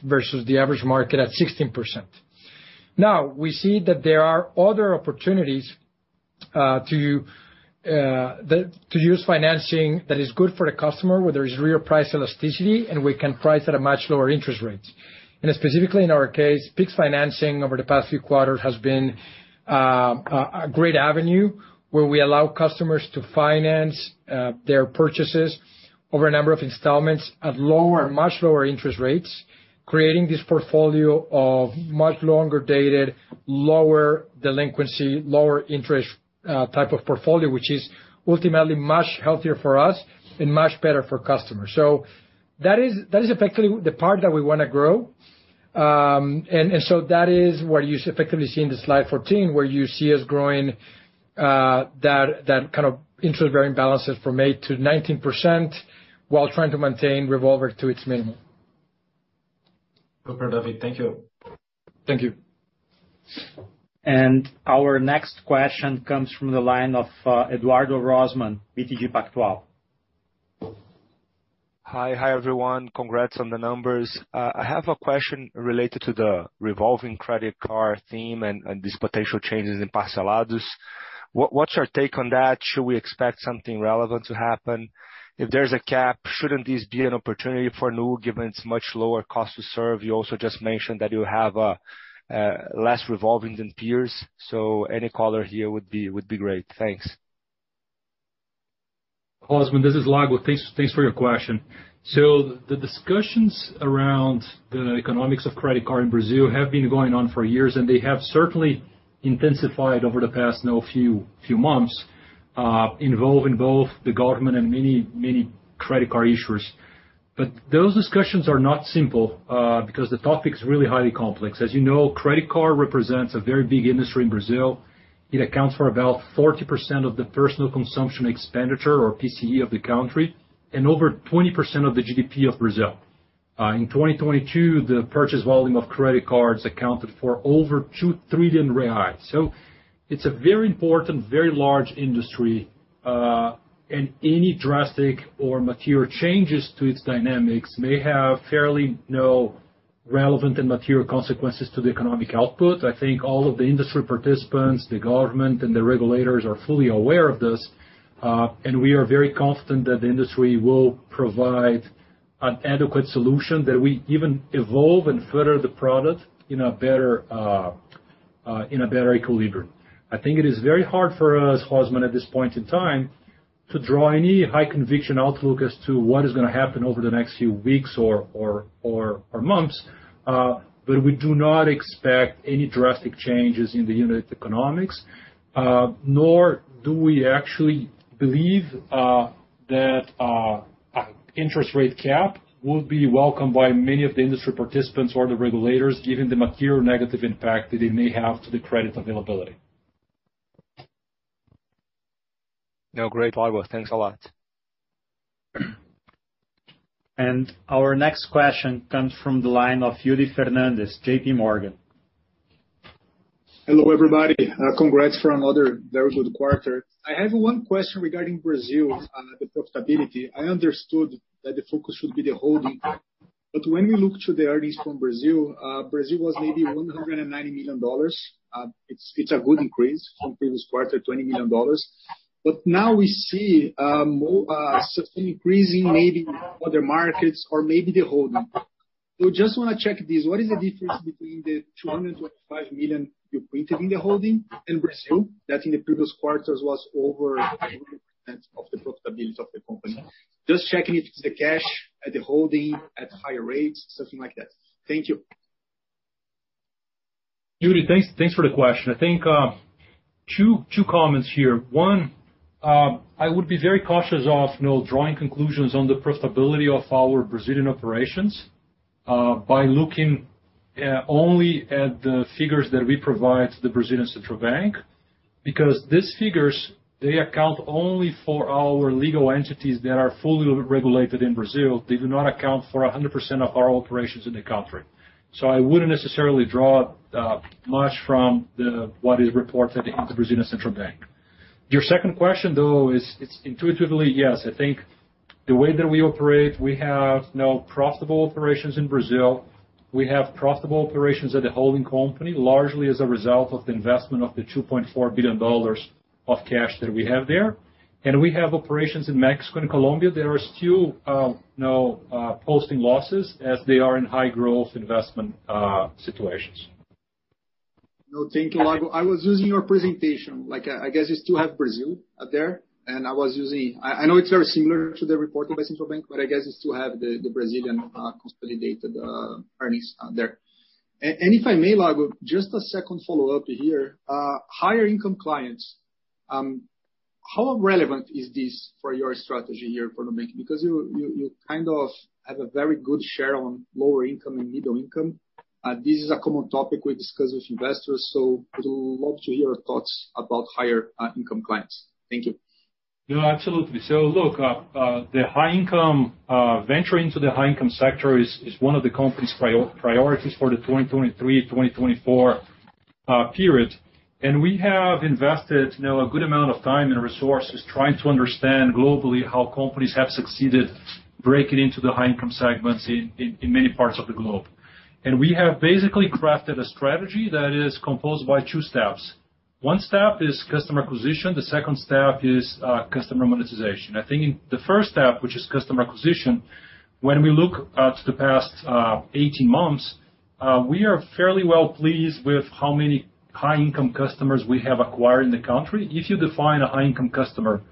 versus the average market at 16%. We see that there are other opportunities to use financing that is good for the customer, where there is real price elasticity, and we can price at a much lower interest rates. Specifically in our case, Pix financing over the past few quarters has been a great avenue where we allow customers to finance their purchases over a number of installments at lower, much lower interest rates, creating this portfolio of much longer dated, lower delinquency, lower interest type of portfolio, which is ultimately much healthier for us and much better for customers. That is, that is effectively the part that we wanna grow. That is what you effectively see in the slide 14, where you see us growing, that, that kind of intra balances from 8 to 19%, while trying to maintain revolver to its minimum. Super, David. Thank you. Thank you. Our next question comes from the line of Eduardo Rosman, BTG Pactual. Hi. Hi, everyone. Congrats on the numbers. I have a question related to the revolving credit card theme and, and these potential changes in parcelados. What, what's your take on that? Should we expect something relevant to happen? If there's a cap, shouldn't this be an opportunity for Nu, given its much lower cost to serve? You also just mentioned that you have less revolving than peers, so any color here would be, would be great. Thanks. Rosman, this is Lago. Thanks, thanks for your question. The discussions around the economics of credit card in Brazil have been going on for years, and they have certainly intensified over the past, now, few, few months, involving both the government and many, many credit card issuers. Those discussions are not simple, because the topic is really highly complex. As you know, credit card represents a very big industry in Brazil. It accounts for about 40% of the personal consumption expenditure, or PCE, of the country, and over 20% of the GDP of Brazil. In 2022, the purchase volume of credit cards accounted for over 2 trillion reais. It's a very important, very large industry, and any drastic or material changes to its dynamics may have fairly, no relevant and material consequences to the economic output. I think all of the industry participants, the government, and the regulators are fully aware of this. We are very confident that the industry will provide an adequate solution that we even evolve and further the product in a better, in a better equilibrium. I think it is very hard for us, Rosman, at this point in time, to draw any high conviction outlook as to what is gonna happen over the next few weeks or, or, or, or months. We do not expect any drastic changes in the unit economics, nor do we actually believe that interest rate cap will be welcomed by many of the industry participants or the regulators, given the material negative impact that it may have to the credit availability. No, great, Lago. Thanks a lot. Our next question comes from the line of Yuri Fernandes, J.P. Morgan. Hello, everybody. Congrats for another very good quarter. I have one question regarding Brazil, the profitability. I understood that the focus should be the holding, but when we look to the earnings from Brazil, Brazil was maybe $190 million. It's, it's a good increase from previous quarter, $20 million. Now we see more increasing maybe other markets or maybe the holding. Just wanna check this, what is the difference between the $225 million you printed in the holding and Brazil, that in the previous quarters was over of the profitability of the company? Just checking if it's the cash at the holding, at higher rates, something like that. Thank you. Yuri, thanks, thanks for the question. I think two, two comments here. One, I would be very cautious of, you know, drawing conclusions on the profitability of our Brazilian operations by looking only at the figures that we provide to the Brazilian Central Bank, because these figures, they account only for our legal entities that are fully regulated in Brazil. They do not account for 100% of our operations in the country. I wouldn't necessarily draw much from what is reported in the Brazilian Central Bank. Your second question, though, is, it's intuitively, yes. I think the way that we operate, we have now profitable operations in Brazil. We have profitable operations at the holding company, largely as a result of the investment of the $2.4 billion of cash that we have there. We have operations in Mexico and Colombia that are still, now, posting losses as they are in high growth investment situations. No, thank you, Lago. I was using your presentation, I, I guess you still have Brazil out there, and I was using... I, I know it's very similar to the report by Central Bank, but I guess it still have the consolidated earnings there. If I may, Lago, just a second follow-up here. Higher income clients, how relevant is this for your strategy here for the bank? Because you, you, you kind of have a very good share on lower income and middle income. This is a common topic we discuss with investors, so would love to hear your thoughts about higher income clients. Thank you. No, absolutely. Look, the high-income, venturing into the high-income sector is one of the company's priorities for the 2023, 2024 period. We have invested, you know, a good amount of time and resources trying to understand globally how companies have succeeded breaking into the high-income segments in many parts of the globe. We have basically crafted a strategy that is composed by two steps. One step is customer acquisition, the second step is customer monetization. I think in the first step, which is customer acquisition, when we look at the past, 18 months, we are fairly well pleased with how many high-income customers we have acquired in the country. If you define a high-income customer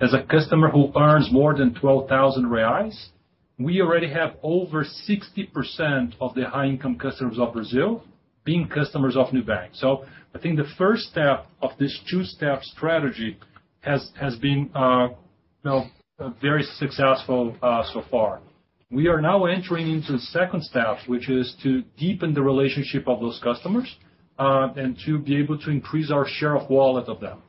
as a customer who earns more than 12,000 reais, we already have over 60% of the high-income customers of Brazil being customers of Nubank. I think the first step of this two-step strategy has been. No, very successful so far. We are now entering into the second stage, which is to deepen the relationship of those customers and to be able to increase our share of wallet of them.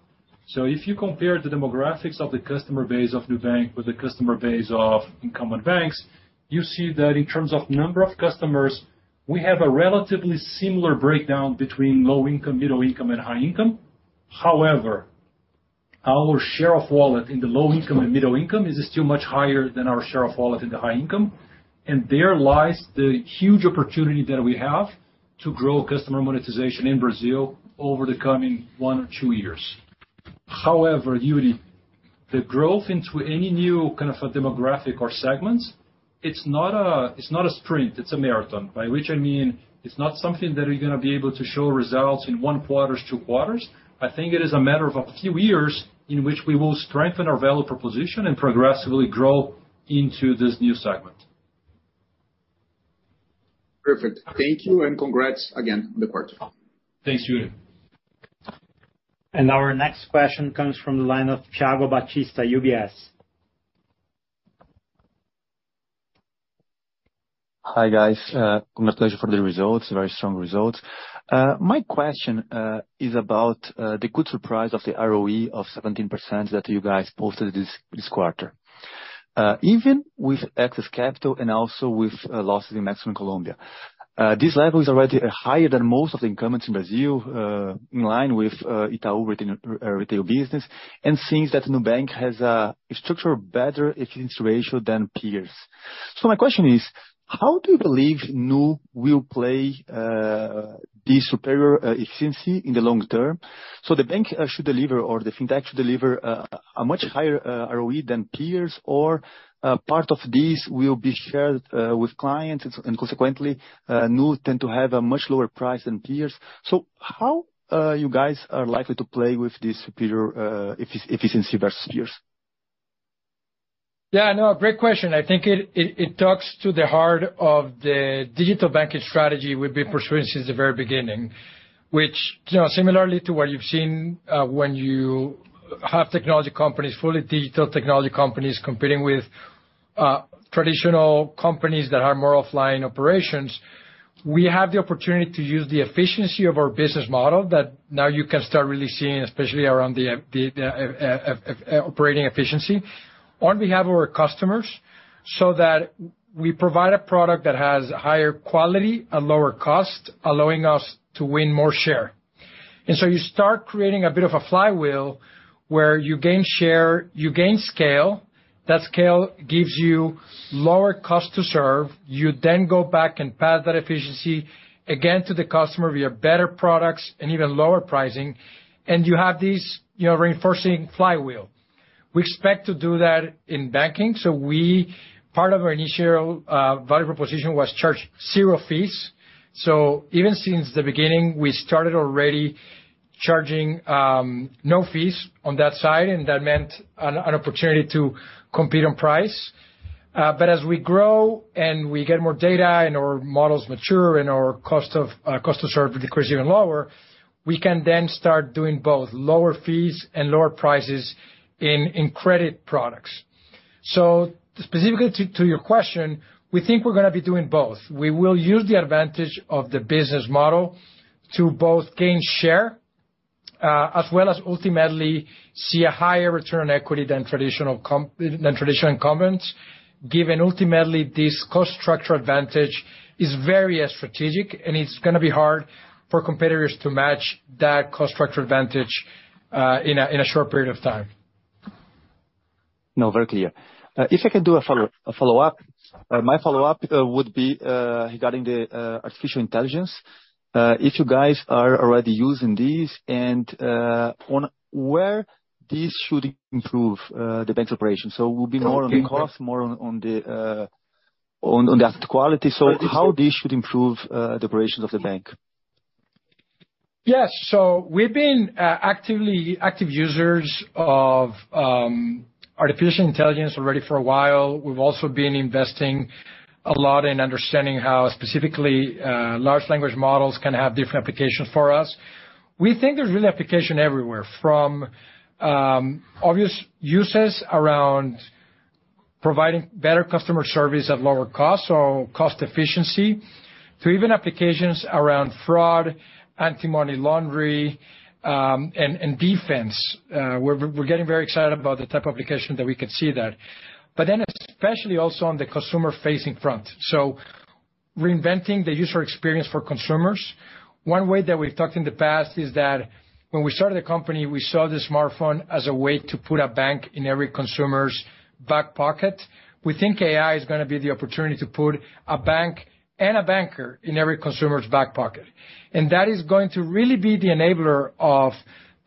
If you compare the demographics of the customer base of Nubank with the customer base of incumbent banks, you see that in terms of number of customers, we have a relatively similar breakdown between low income, middle income, and high income. Our share of wallet in the low income and middle income is still much higher than our share of wallet in the high income, and there lies the huge opportunity that we have to grow customer monetization in Brazil over the coming one or two years. Yuri, the growth into any new kind of demographic or segments, it's not a sprint, it's a marathon. By which I mean, it's not something that we're gonna be able to show results in one quarters, two quarters. I think it is a matter of a few years in which we will strengthen our value proposition and progressively grow into this new segment. Perfect. Thank you. Congrats again on the quarter. Thanks, Yuri. Our next question comes from the line of Thiago Batista, UBS. Hi, guys. Congratulations for the results, very strong results. My question is about the good surprise of the ROE of 17% that you guys posted this, this quarter. Even with excess capital and also with losses in Mexico and Colombia, this level is already higher than most of the incumbents in Brazil, in line with Itaú Unibanco retail business, and seems that Nubank has a structural better efficiency ratio than peers. My question is: how do you believe Nu will play the superior efficiency in the long term? The bank should deliver or the fintech should deliver a much higher ROE than peers, or part of this will be shared with clients and consequently, Nu tend to have a much lower price than peers. How you guys are likely to play with this superior efficiency versus peers? Yeah, no, great question. I think it, it, it talks to the heart of the digital banking strategy we've been pursuing since the very beginning, which, you know, similarly to what you've seen, when you have technology companies, fully digital technology companies, competing with traditional companies that are more offline operations, we have the opportunity to use the efficiency of our business model, that now you can start really seeing, especially around the operating efficiency, on behalf of our customers, so that we provide a product that has higher quality at lower cost, allowing us to win more share. You start creating a bit of a flywheel where you gain share, you gain scale, that scale gives you lower cost to serve. You then go back and pass that efficiency again to the customer via better products and even lower pricing, and you have this, you know, reinforcing flywheel. We expect to do that in banking. We Part of our initial value proposition was charge zero fees. Even since the beginning, we started already charging no fees on that side, and that meant an opportunity to compete on price. As we grow and we get more data and our models mature and our cost of cost to serve decreases even lower, we can then start doing both lower fees and lower prices in credit products. Specifically to your question, we think we're gonna be doing both. We will use the advantage of the business model to both gain share, as well as ultimately see a higher return on equity than traditional incumbents, given ultimately this cost structure advantage is very strategic, and it's gonna be hard for competitors to match that cost structure advantage in a short period of time. No, very clear. If I can do a follow, a follow-up? My follow-up would be regarding the artificial intelligence. If you guys are already using this, and on where this should improve the bank's operations. It will be more on the cost, more on the asset quality? How this should improve the operations of the bank? Yes. We've been actively active users of artificial intelligence already for a while. We've also been investing a lot in understanding how specifically large language models can have different applications for us. We think there's really application everywhere, from obvious uses around providing better customer service at lower cost, so cost efficiency, to even applications around fraud, anti-money laundering, and defense. We're getting very excited about the type of application that we can see there. Especially also on the consumer-facing front, so reinventing the user experience for consumers. One way that we've talked in the past is that when we started the company, we saw the smartphone as a way to put a bank in every consumer's back pocket. We think AI is gonna be the opportunity to put a bank and a banker in every consumer's back pocket. That is going to really be the enabler of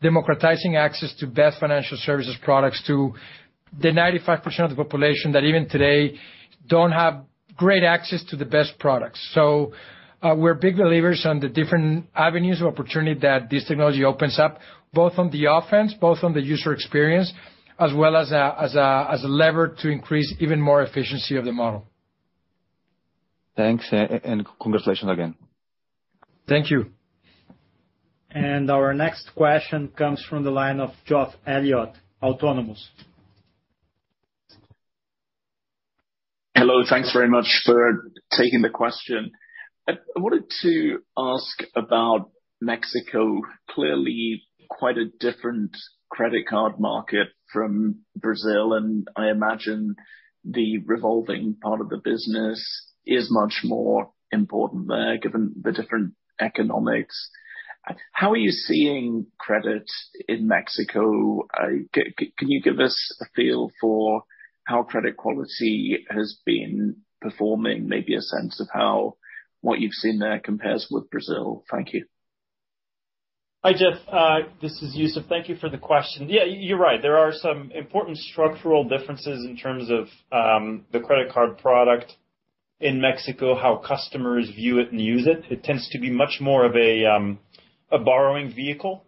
democratizing access to best financial services products to the 95% of the population that, even today, don't have great access to the best products. We're big believers on the different avenues of opportunity that this technology opens up, both on the offense, both on the user experience, as well as a lever to increase even more efficiency of the model. Thanks, and congratulations again. Thank you. Our next question comes from the line of Jeff Elliott, Autonomous. Hello. Thanks very much for taking the question. I, I wanted to ask about Mexico. Clearly, quite a different credit card market from Brazil, and I imagine the revolving part of the business is much more important there, given the different economics. How are you seeing credit in Mexico? Can you give us a feel for how credit quality has been performing? Maybe a sense of how what you've seen there compares with Brazil. Thank you. Hi, Jeff, this is Youssef. Thank you for the question. Yeah, y-you're right, there are some important structural differences in terms of the credit card product in Mexico, how customers view it and use it. It tends to be much more of a borrowing vehicle,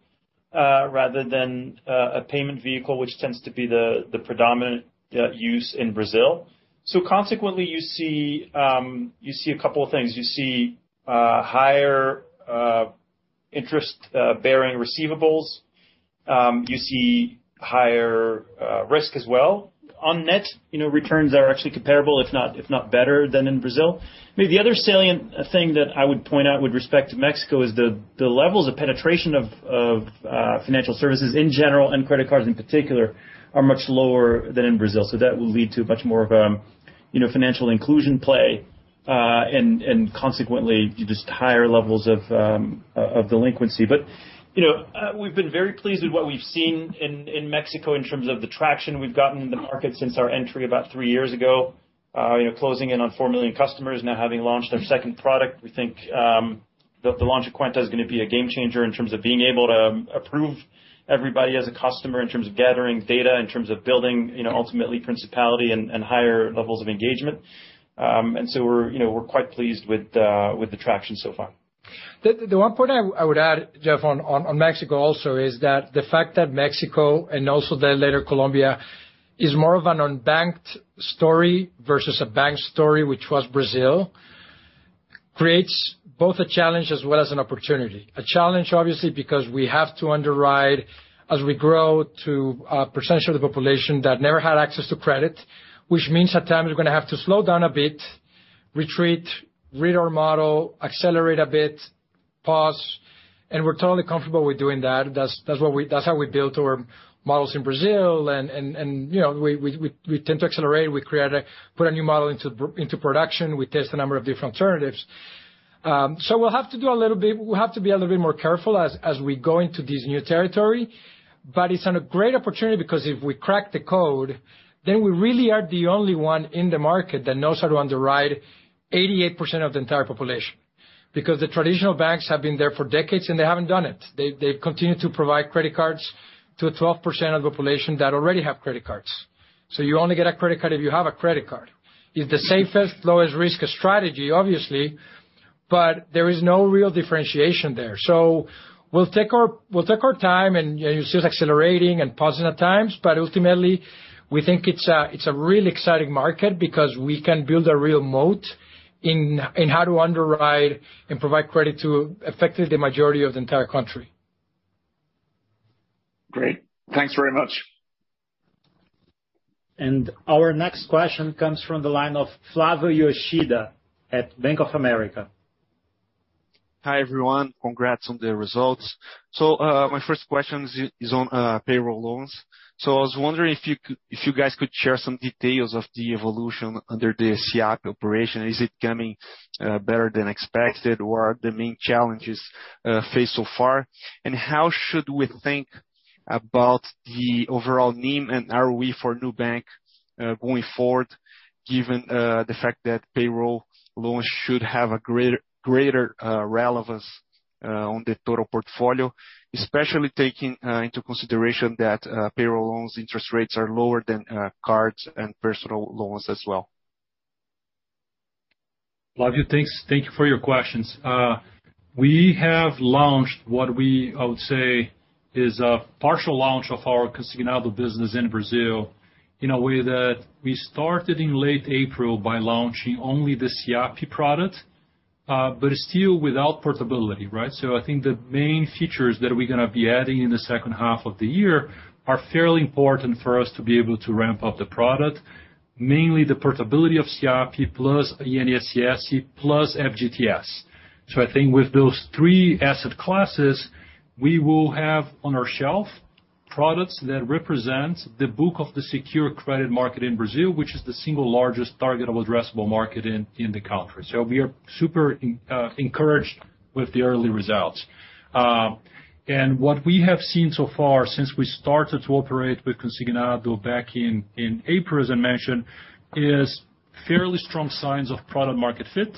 rather than a payment vehicle, which tends to be the, the predominant use in Brazil. Consequently, you see a couple of things. You see higher interest bearing receivables, you see higher risk as well. On net, you know, returns are actually comparable, if not, if not better than in Brazil. Maybe the other salient thing that I would point out with respect to Mexico is the levels of penetration of financial services in general, and credit cards in particular, are much lower than in Brazil. That will lead to much more of a, you know, financial inclusion play, and consequently, just higher levels of delinquency. You know, we've been very pleased with what we've seen in Mexico in terms of the traction we've gotten in the market since our entry about three years ago. You know, closing in on 4 million customers, now having launched our second product, we think, the launch of Cuenta Nu is gonna be a game changer in terms of being able to approve everybody as a customer, in terms of gathering data, in terms of building, you know, ultimately principality and higher levels of engagement. We're, you know, we're quite pleased with the traction so far. The one point I would add, Jeff, on Mexico also, is that the fact that Mexico, and also then later Colombia, is more of an unbanked story versus a bank story, which was Brazil, creates both a challenge as well as an opportunity. A challenge, obviously, because we have to underwrite as we grow to a percentage of the population that never had access to credit, which means at times we're gonna have to slow down a bit, retreat, read our model, accelerate a bit, pause, and we're totally comfortable with doing that. That's what we-- that's how we built our models in Brazil, you know, we tend to accelerate, we create a, put a new model into production, we test a number of different alternatives. We'll have to do a little bit... We'll have to be a little bit more careful as we go into this new territory, but it's on a great opportunity, because if we crack the code, then we really are the only one in the market that knows how to underwrite 88% of the entire population. The traditional banks have been there for decades, and they haven't done it. They've continued to provide credit cards to a 12% of the population that already have credit cards. You only get a credit card if you have a credit card. It's the safest, lowest risk strategy, obviously, but there is no real differentiation there. We'll take our time, and you see us accelerating and pausing at times, but ultimately, we think it's a really exciting market because we can build a real moat in how to underwrite and provide credit to effectively the majority of the entire country. Great. Thanks very much. Our next question comes from the line of Flávio Yoshida at Bank of America. Hi, everyone. Congrats on the results. My first question is, is on payroll loans. I was wondering if you guys could share some details of the evolution under the SIAPE operation. Is it coming better than expected, or are the main challenges faced so far? How should we think about the overall NIM and ROE for Nubank going forward, given the fact that payroll loans should have a greater, greater relevance on the total portfolio, especially taking into consideration that payroll loans interest rates are lower than cards and personal loans as well? Flávio, thanks. Thank you for your questions. We have launched what we, I would say, is a partial launch of our Consignado business in Brazil, in a way that we started in late April by launching only the SIAPE product, but still without portability, right? I think the main features that we're gonna be adding in the second half of the year are fairly important for us to be able to ramp up the product, mainly the portability of SIAPE plus INSS plus FGTS. I think with those three asset classes, we will have on our shelf, products that represent the book of the secure credit market in Brazil, which is the single largest targetable addressable market in, in the country. We are super encouraged with the early results. What we have seen so far since we started to operate with Consignado back in, in April, as I mentioned, is fairly strong signs of product-market fit.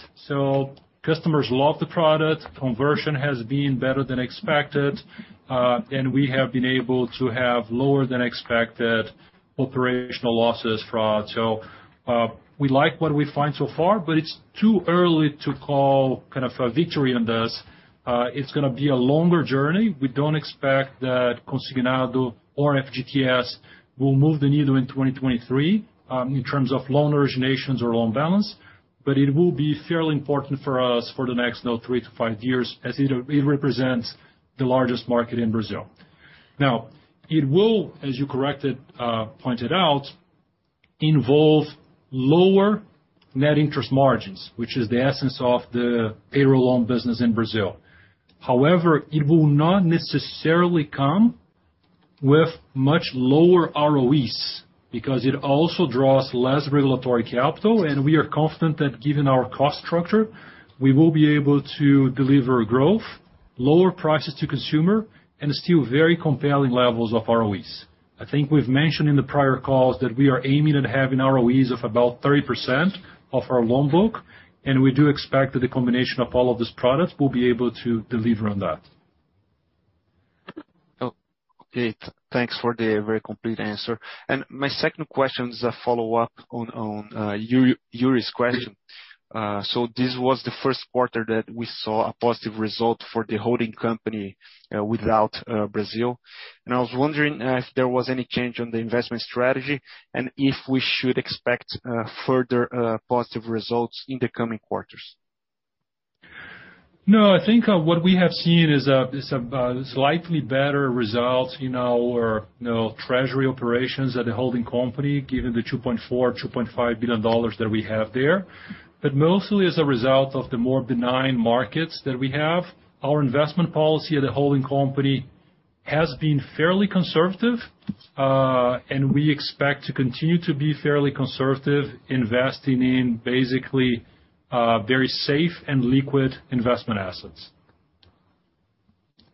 Customers love the product, conversion has been better than expected, we have been able to have lower than expected operational losses fraud. We like what we find so far, but it's too early to call kind of a victory on this. It's gonna be a longer journey. We don't expect that Consignado or FGTS will move the needle in 2023 in terms of loan originations or loan balance, but it will be fairly important for us for the next, now, 3 to 5 years, as it represents the largest market in Brazil. Now, it will, as you correctly pointed out, involve lower net interest margins, which is the essence of the payroll loan business in Brazil. However, it will not necessarily come with much lower ROEs, because it also draws less regulatory capital, and we are confident that given our cost structure, we will be able to deliver growth, lower prices to consumer, and still very compelling levels of ROEs. I think we've mentioned in the prior calls that we are aiming at having ROEs of about 30% of our loan book, and we do expect that the combination of all of these products will be able to deliver on that. Okay. Thanks for the very complete answer. My second question is a follow-up on, on Yuri's question. This was the first quarter that we saw a positive result for the holding company, without Brazil. I was wondering if there was any change on the investment strategy, and if we should expect further positive results in the coming quarters? No, I think, what we have seen is a, is a, slightly better result, you know, or, you know, treasury operations at the holding company, given the $2.4 billion-$2.5 billion that we have there. Mostly as a result of the more benign markets that we have, our investment policy at the holding company has been fairly conservative, and we expect to continue to be fairly conservative, investing in basically, very safe and liquid investment assets.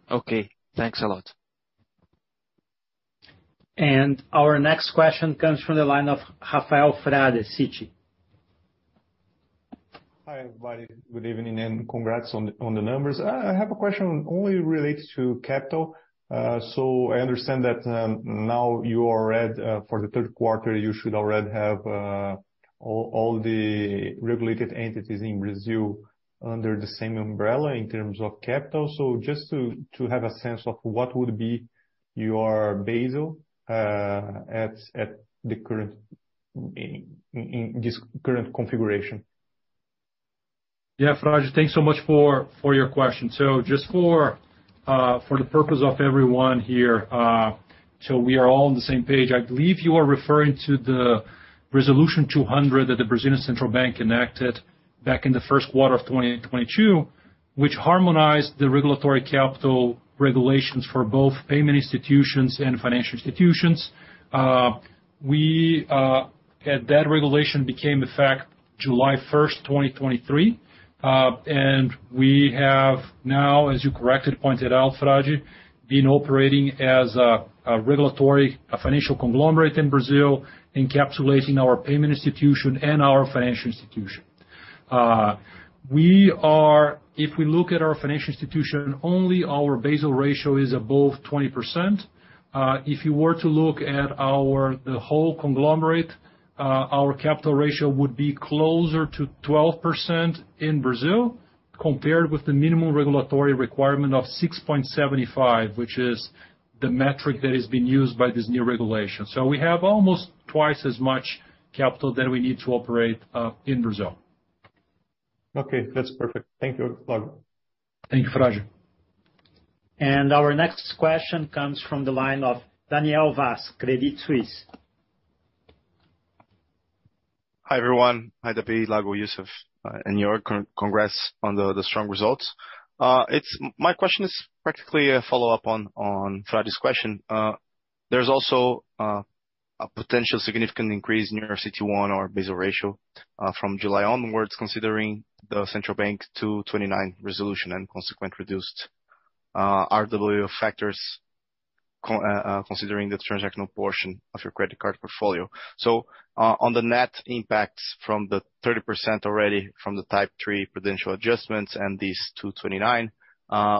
Okay, thanks a lot. Our next question comes from the line of Rafael Frade, Citi. Hi, everybody. Good evening, and congrats on the, on the numbers. I have a question only related to capital. I understand that, now you are at... For the third quarter, you should already have, all, all the regulated entities in Brazil under the same umbrella in terms of capital. Just to, to have a sense of what would be your Basel, at, at the current, in, in, in this current configuration? Yeah, Frade, thanks so much for your question. Just for the purpose of everyone here, so we are all on the same page, I believe you are referring to the Resolution 200 that the Brazilian Central Bank enacted back in the 1st quarter of 2022, which harmonized the regulatory capital regulations for both payment institutions and financial institutions. We, and that regulation became effect July 1st, 2023. We have now, as you correctly pointed out, Frade, been operating as a regulatory, a financial conglomerate in Brazil, encapsulating our payment institution and our financial institution. We, if we look at our financial institution, only our Basel ratio is above 20%. If you were to look at our, the whole conglomerate, our capital ratio would be closer to 12% in Brazil, compared with the minimum regulatory requirement of 6.75%, which is the metric that has been used by this new regulation. We have almost twice as much capital than we need to operate in Brazil. Okay, that's perfect. Thank you. Bye. Thank you, Frade. Our next question comes from the line of Daniel Vaz, Credit Suisse. Hi, everyone. Hi, David, Lago, Youssef, and congrats on the, the strong results. My question is practically a follow-up on Frade's question. There's also a potential significant increase in your CET1 or Basel ratio from July onwards, considering the Central Bank 229 Resolution and consequent reduced RWA factors, considering the transactional portion of your credit card portfolio. On the net impacts from the 30% already from the type three prudential adjustments and these 229,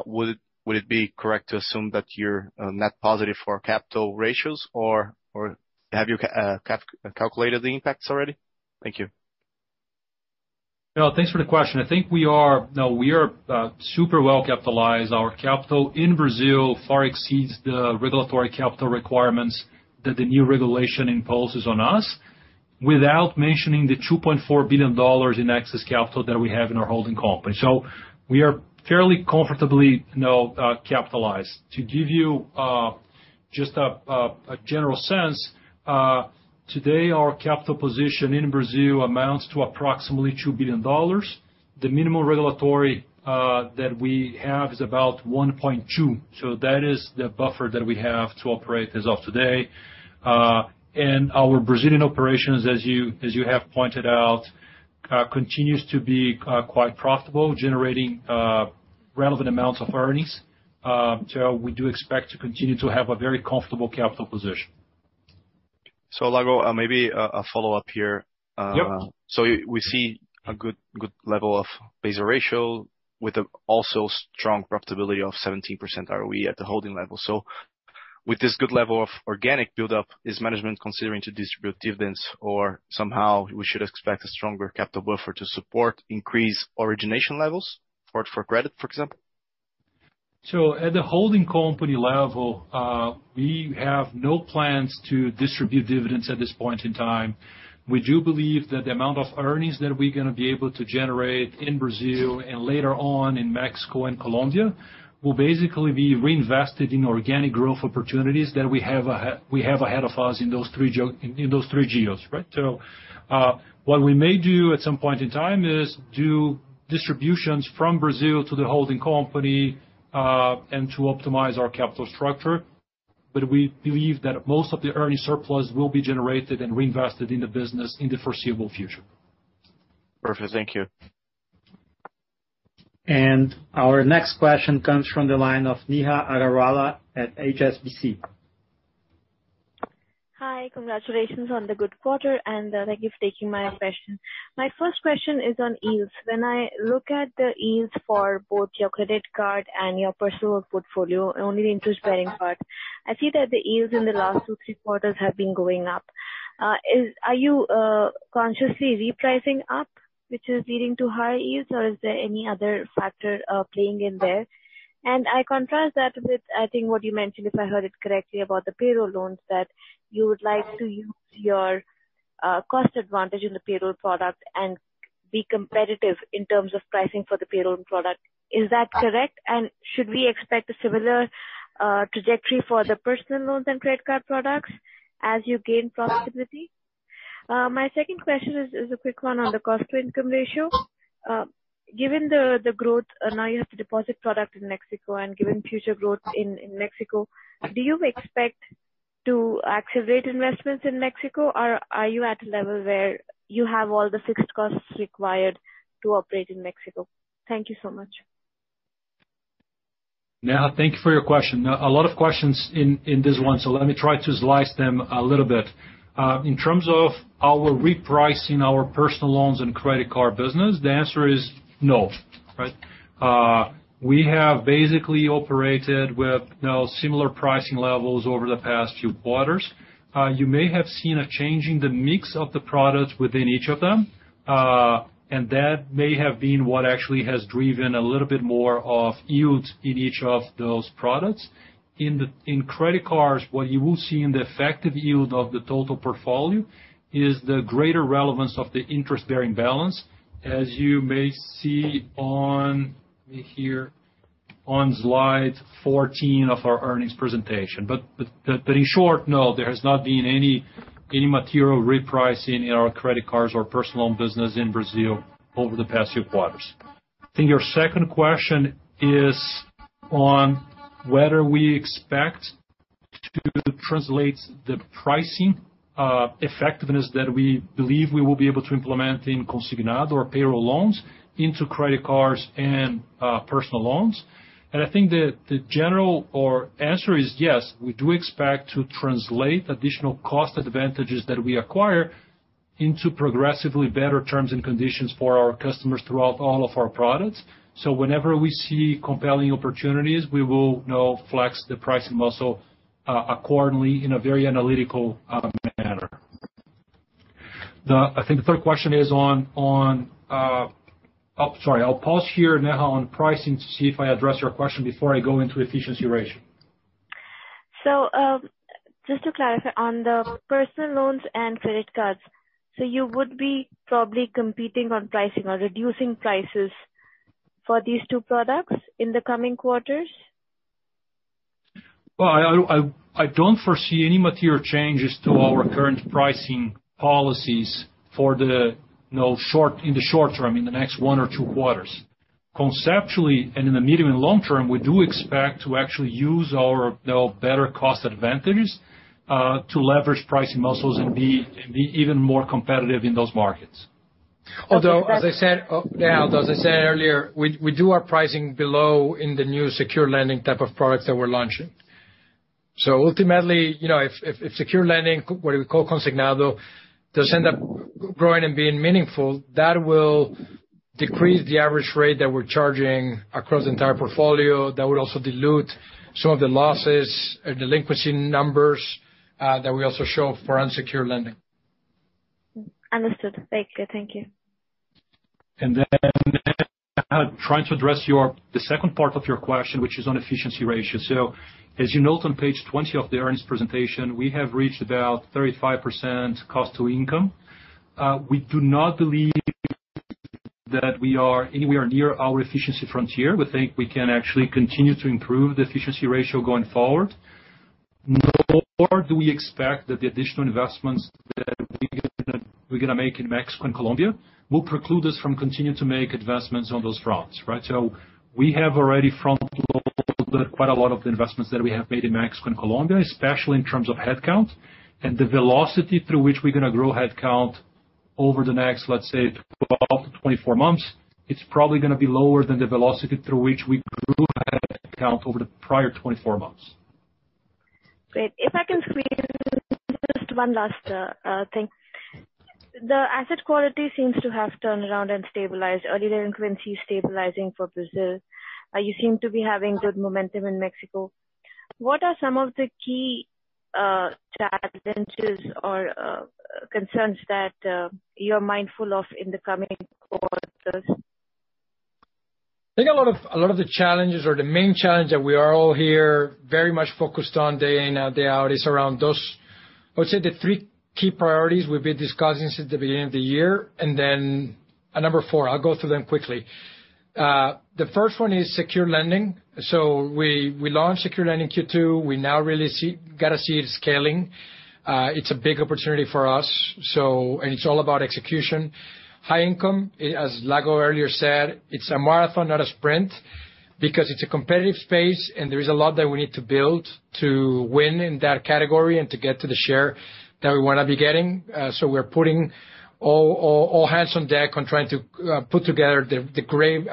would it be correct to assume that you're net positive for capital ratios, or, or have you calculated the impacts already? Thank you. No, thanks for the question. I think we are super well capitalized. Our capital in Brazil far exceeds the regulatory capital requirements that the new regulation imposes on us, without mentioning the $2.4 billion in excess capital that we have in our holding company. We are fairly comfortably, you know, capitalized. To give you just a general sense, today, our capital position in Brazil amounts to approximately $2 billion. The minimum regulatory that we have is about $1.2 billion. That is the buffer that we have to operate as of today. Our Brazilian operations, as you have pointed out, continues to be quite profitable, generating relevant amounts of earnings. We do expect to continue to have a very comfortable capital position.... Lago, maybe a, a follow-up here. Yep. We see a good, good level of Basel ratio with a also strong profitability of 17% ROE at the holding level. With this good level of organic buildup, is management considering to distribute dividends, or somehow we should expect a stronger capital buffer to support increased origination levels for, for credit, for example? At the holding company level, we have no plans to distribute dividends at this point in time. We do believe that the amount of earnings that we're gonna be able to generate in Brazil and later on in Mexico and Colombia, will basically be reinvested in organic growth opportunities that we have ahead of us in those three geos, right. What we may do at some point in time is do distributions from Brazil to the holding company and to optimize our capital structure. We believe that most of the earnings surplus will be generated and reinvested in the business in the foreseeable future. Perfect. Thank you. Our next question comes from the line of Neha Agarwala at HSBC. Hi. Congratulations on the good quarter, and thank you for taking my question. My first question is on yields. When I look at the yields for both your credit card and your personal portfolio, only the interest-bearing part, I see that the yields in the last 2, 3 quarters have been going up. Are you consciously repricing up, which is leading to higher yields, or is there any other factor playing in there? I contrast that with, I think, what you mentioned, if I heard it correctly, about the payroll loans, that you would like to use your cost advantage in the payroll product and be competitive in terms of pricing for the payroll product. Is that correct? Should we expect a similar trajectory for the personal loans and credit card products as you gain profitability? My second question is, is a quick one on the cost-to-income ratio. Given the, the growth, now you have the deposit product in Mexico and given future growth in, in Mexico, do you expect to accelerate investments in Mexico, or are you at a level where you have all the fixed costs required to operate in Mexico? Thank you so much. Neha, thank you for your question. A lot of questions in this one, let me try to slice them a little bit. In terms of our repricing our personal loans and credit card business, the answer is no, right? We have basically operated with, you know, similar pricing levels over the past few quarters. You may have seen a change in the mix of the products within each of them, and that may have been what actually has driven a little bit more of yields in each of those products. In credit cards, what you will see in the effective yield of the total portfolio is the greater relevance of the interest-bearing balance, as you may see on, let me here, on slide 14 of our earnings presentation. In short, no, there has not been any, any material repricing in our credit cards or personal loan business in Brazil over the past few quarters. I think your second question is on whether we expect to translate the pricing effectiveness that we believe we will be able to implement in Consignado or payroll loans into credit cards and personal loans. I think the general answer is yes, we do expect to translate additional cost advantages that we acquire into progressively better terms and conditions for our customers throughout all of our products. Whenever we see compelling opportunities, we will, you know, flex the pricing muscle accordingly in a very analytical manner. I think the third question is on, on... Oh, sorry. I'll pause here, Neha, on pricing to see if I addressed your question before I go into efficiency ratio. Just to clarify, on the personal loans and credit cards, you would be probably competing on pricing or reducing prices for these two products in the coming quarters? Well, I don't foresee any material changes to our current pricing policies for the, you know, short, in the short term, in the next one or two quarters. Conceptually, in the medium and long term, we do expect to actually use our, you know, better cost advantage, to leverage pricing muscles and be, and be even more competitive in those markets. As I said, Neha, as I said earlier, we, we do our pricing below in the new secure lending type of products that we're launching. Ultimately, you know, if, if, if secure lending, what we call Consignado, does end up growing and being meaningful, that will decrease the average rate that we're charging across the entire portfolio. That would also dilute some of the losses or delinquency numbers that we also show for unsecured lending. Understood. Very clear. Thank you. Neha, trying to address your the second part of your question, which is on efficiency ratio. As you note on page 20 of the earnings presentation, we have reached about 35% cost to income. We do not believe that we are anywhere near our efficiency frontier. We think we can actually continue to improve the efficiency ratio going forward. Nor do we expect that the additional investments that we're gonna, we're gonna make in Mexico and Colombia will preclude us from continuing to make investments on those fronts, right? We have already frontload quite a lot of the investments that we have made in Mexico and Colombia, especially in terms of headcount, and the velocity through which we're gonna grow headcount.... over the next, let's say, 12-24 months, it's probably gonna be lower than the velocity through which we grew that account over the prior 24 months. Great. If I can squeeze just one last thing. The asset quality seems to have turned around and stabilized, earlier infancy stabilizing for Brazil. You seem to be having good momentum in Mexico. What are some of the key challenges or concerns that you're mindful of in the coming quarters? I think a lot of, a lot of the challenges or the main challenge that we are all here very much focused on day in and day out, is around those. I would say the three key priorities we've been discussing since the beginning of the year, and then a number four. I'll go through them quickly. The first one is secure lending. We, we launched secure lending in Q2. We now really gotta see it scaling. It's a big opportunity for us. It's all about execution. High income, as Lago earlier said, it's a marathon, not a sprint, because it's a competitive space, and there is a lot that we need to build to win in that category and to get to the share that we wanna be getting. We're putting all, all, all hands on deck on trying to put together a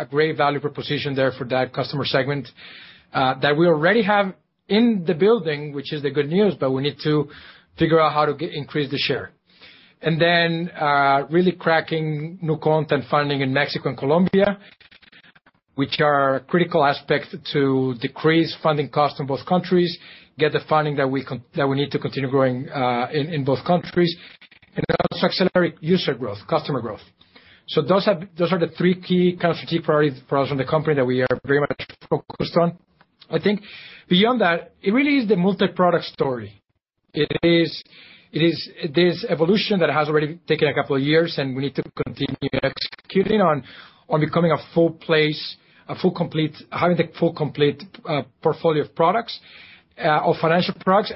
great value proposition there for that customer segment, that we already have in the building, which is the good news, but we need to figure out how to get... Increase the share. Then, really cracking Nu Account and funding in Mexico and Colombia, which are critical aspects to decrease funding costs in both countries, get the funding that we need to continue growing in both countries, and to accelerate user growth, customer growth. Those are, those are the three key, kind of, key priorities for us from the company that we are very much focused on. I think beyond that, it really is the multi-product story. It is this evolution that has already taken a couple of years, and we need to continue executing on becoming a full place, having the full, complete portfolio of products, of financial products.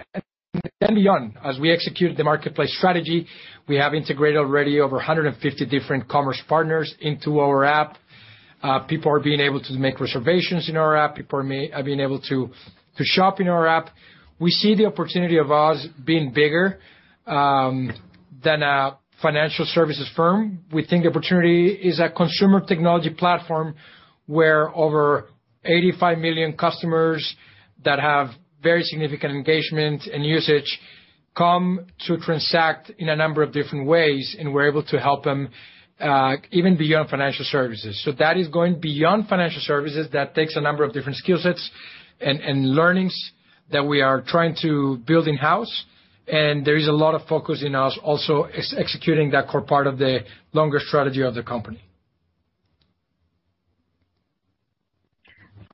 Then beyond, as we execute the marketplace strategy, we have integrated already over 150 different commerce partners into our app. People are being able to make reservations in our app, people are being able to, to shop in our app. We see the opportunity of us being bigger than a financial services firm. We think opportunity is a consumer technology platform where over 85 million customers that have very significant engagement and usage come to transact in a number of different ways, and we're able to help them even beyond financial services. That is going beyond financial services. That takes a number of different skill sets and, and learnings that we are trying to build in-house, and there is a lot of focus in us also executing that core part of the longer strategy of the company.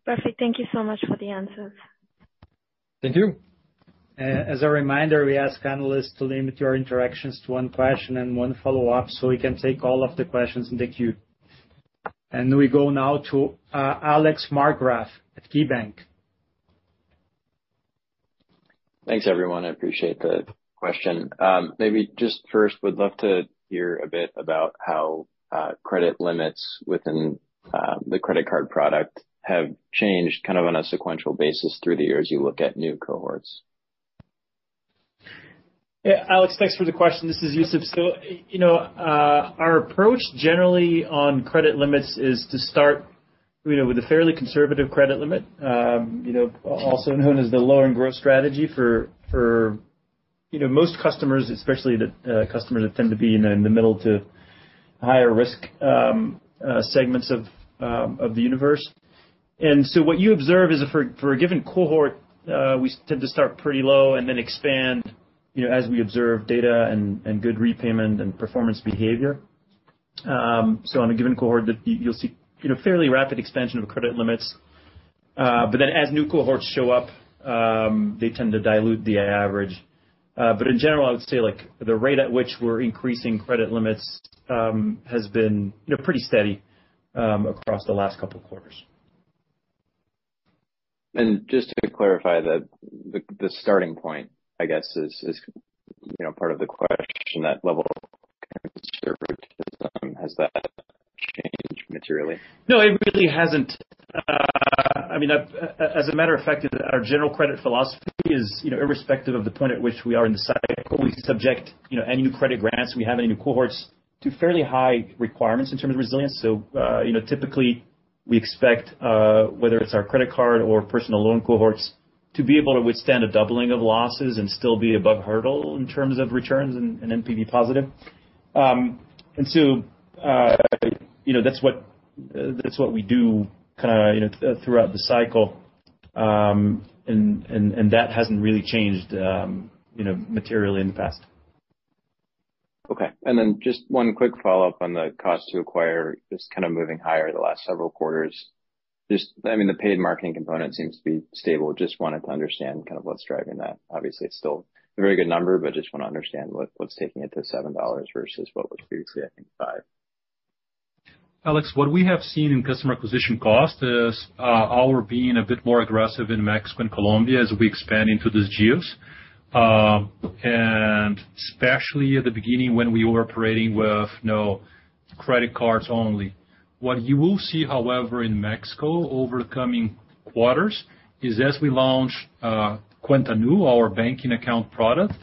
Perfect. Thank you so much for the answers. Thank you. As a reminder, we ask analysts to limit your interactions to one question and one follow-up, so we can take all of the questions in the queue. We go now to Alex Markgraf at KeyBanc. Thanks, everyone. I appreciate the question. Maybe just first, would love to hear a bit about how credit limits within the credit card product have changed, kind of on a sequential basis through the years you look at new cohorts. Yeah, Alex, thanks for the question. This is Yusuf. You know, our approach generally on credit limits is to start, you know, with a fairly conservative credit limit, you know, also known as the lower and growth strategy for, for, you know, most customers, especially the customers that tend to be in the middle to higher risk segments of the universe. What you observe is for, for a given cohort, we tend to start pretty low and then expand, you know, as we observe data and, and good repayment and performance behavior. On a given cohort, that you, you'll see, you know, fairly rapid expansion of credit limits. Then as new cohorts show up, they tend to dilute the average. In general, I would say, like, the rate at which we're increasing credit limits has been, you know, pretty steady across the last couple quarters. Just to clarify, the starting point, I guess is, you know, part of the question, that level of conservatism, has that changed materially? No, it really hasn't. I mean, as, as a matter of fact, our general credit philosophy is, you know, irrespective of the point at which we are in the cycle, we subject, you know, any new credit grants we have, any new cohorts, to fairly high requirements in terms of resilience. You know, typically we expect, whether it's our credit card or personal loan cohorts, to be able to withstand a doubling of losses and still be above hurdle in terms of returns and, and NPV positive. You know, that's what, that's what we do kinda, you know, throughout the cycle. That hasn't really changed, you know, materially in the past. Okay. Just one quick follow-up on the cost to acquire, just kind of moving higher the last several quarters. I mean, the paid marketing component seems to be stable. Just wanted to understand kind of what's driving that. Obviously, it's still a very good number, but just want to understand what what's taking it to $7 versus what was previously, I think, $5. Alex, what we have seen in customer acquisition cost is, our being a bit more aggressive in Mexico and Colombia as we expand into these geos. Especially at the beginning when we were operating with no credit cards only. What you will see, however, in Mexico over the coming quarters, is as we launch, Cuenta Nu, our banking account product,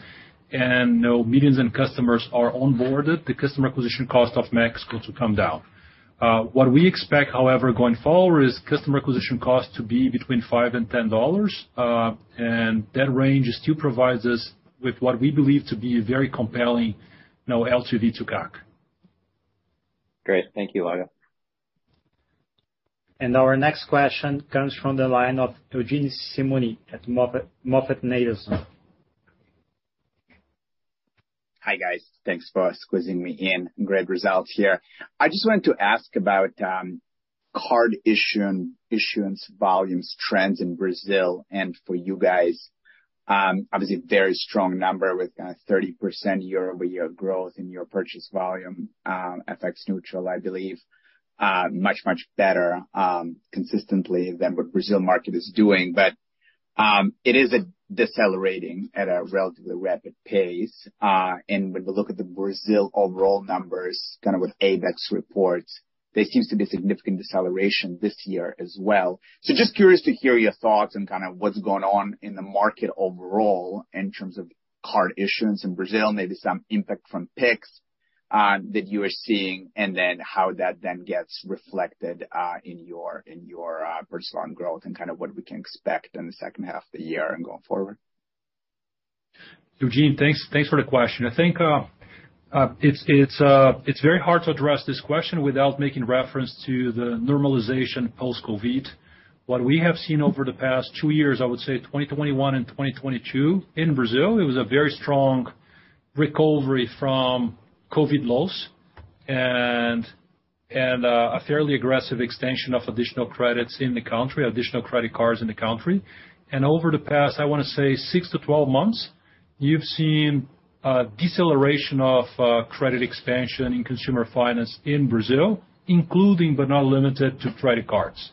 and now millions in customers are onboarded, the customer acquisition cost of Mexico to come down. What we expect, however, going forward, is customer acquisition cost to be between $5 and $10. That range still provides us with what we believe to be a very compelling, you know, LTV to CAC. Great. Thank you, Lago. Our next question comes from the line of Eugene Simuni at MoffettNathanson. Hi, guys. Thanks for squeezing me in. Great results here. I just wanted to ask about card issue-- issuance volumes trends in Brazil and for you guys. Obviously, very strong number with 30% year-over-year growth in your purchase volume, FX-neutral, I believe. Much, much better, consistently than what Brazil market is doing. It is decelerating at a relatively rapid pace. When we look at the Brazil overall numbers, kind of with ABECS reports, there seems to be significant deceleration this year as well. Just curious to hear your thoughts on kind of what's going on in the market overall in terms of card issuance in Brazil, maybe some impact from Pix, that you are seeing, and then how that then gets reflected, in your, in your, personal growth, and kind of what we can expect in the second half of the year and going forward? Eugene, thanks, thanks for the question. I think it's very hard to address this question without making reference to the normalization post-COVID. What we have seen over the past two years, I would say 2021 and 2022 in Brazil, it was a very strong recovery from COVID loss and a fairly aggressive extension of additional credits in the country, additional credit cards in the country. Over the past, I wanna say six to 12 months, you've seen a deceleration of credit expansion in consumer finance in Brazil, including but not limited to credit cards.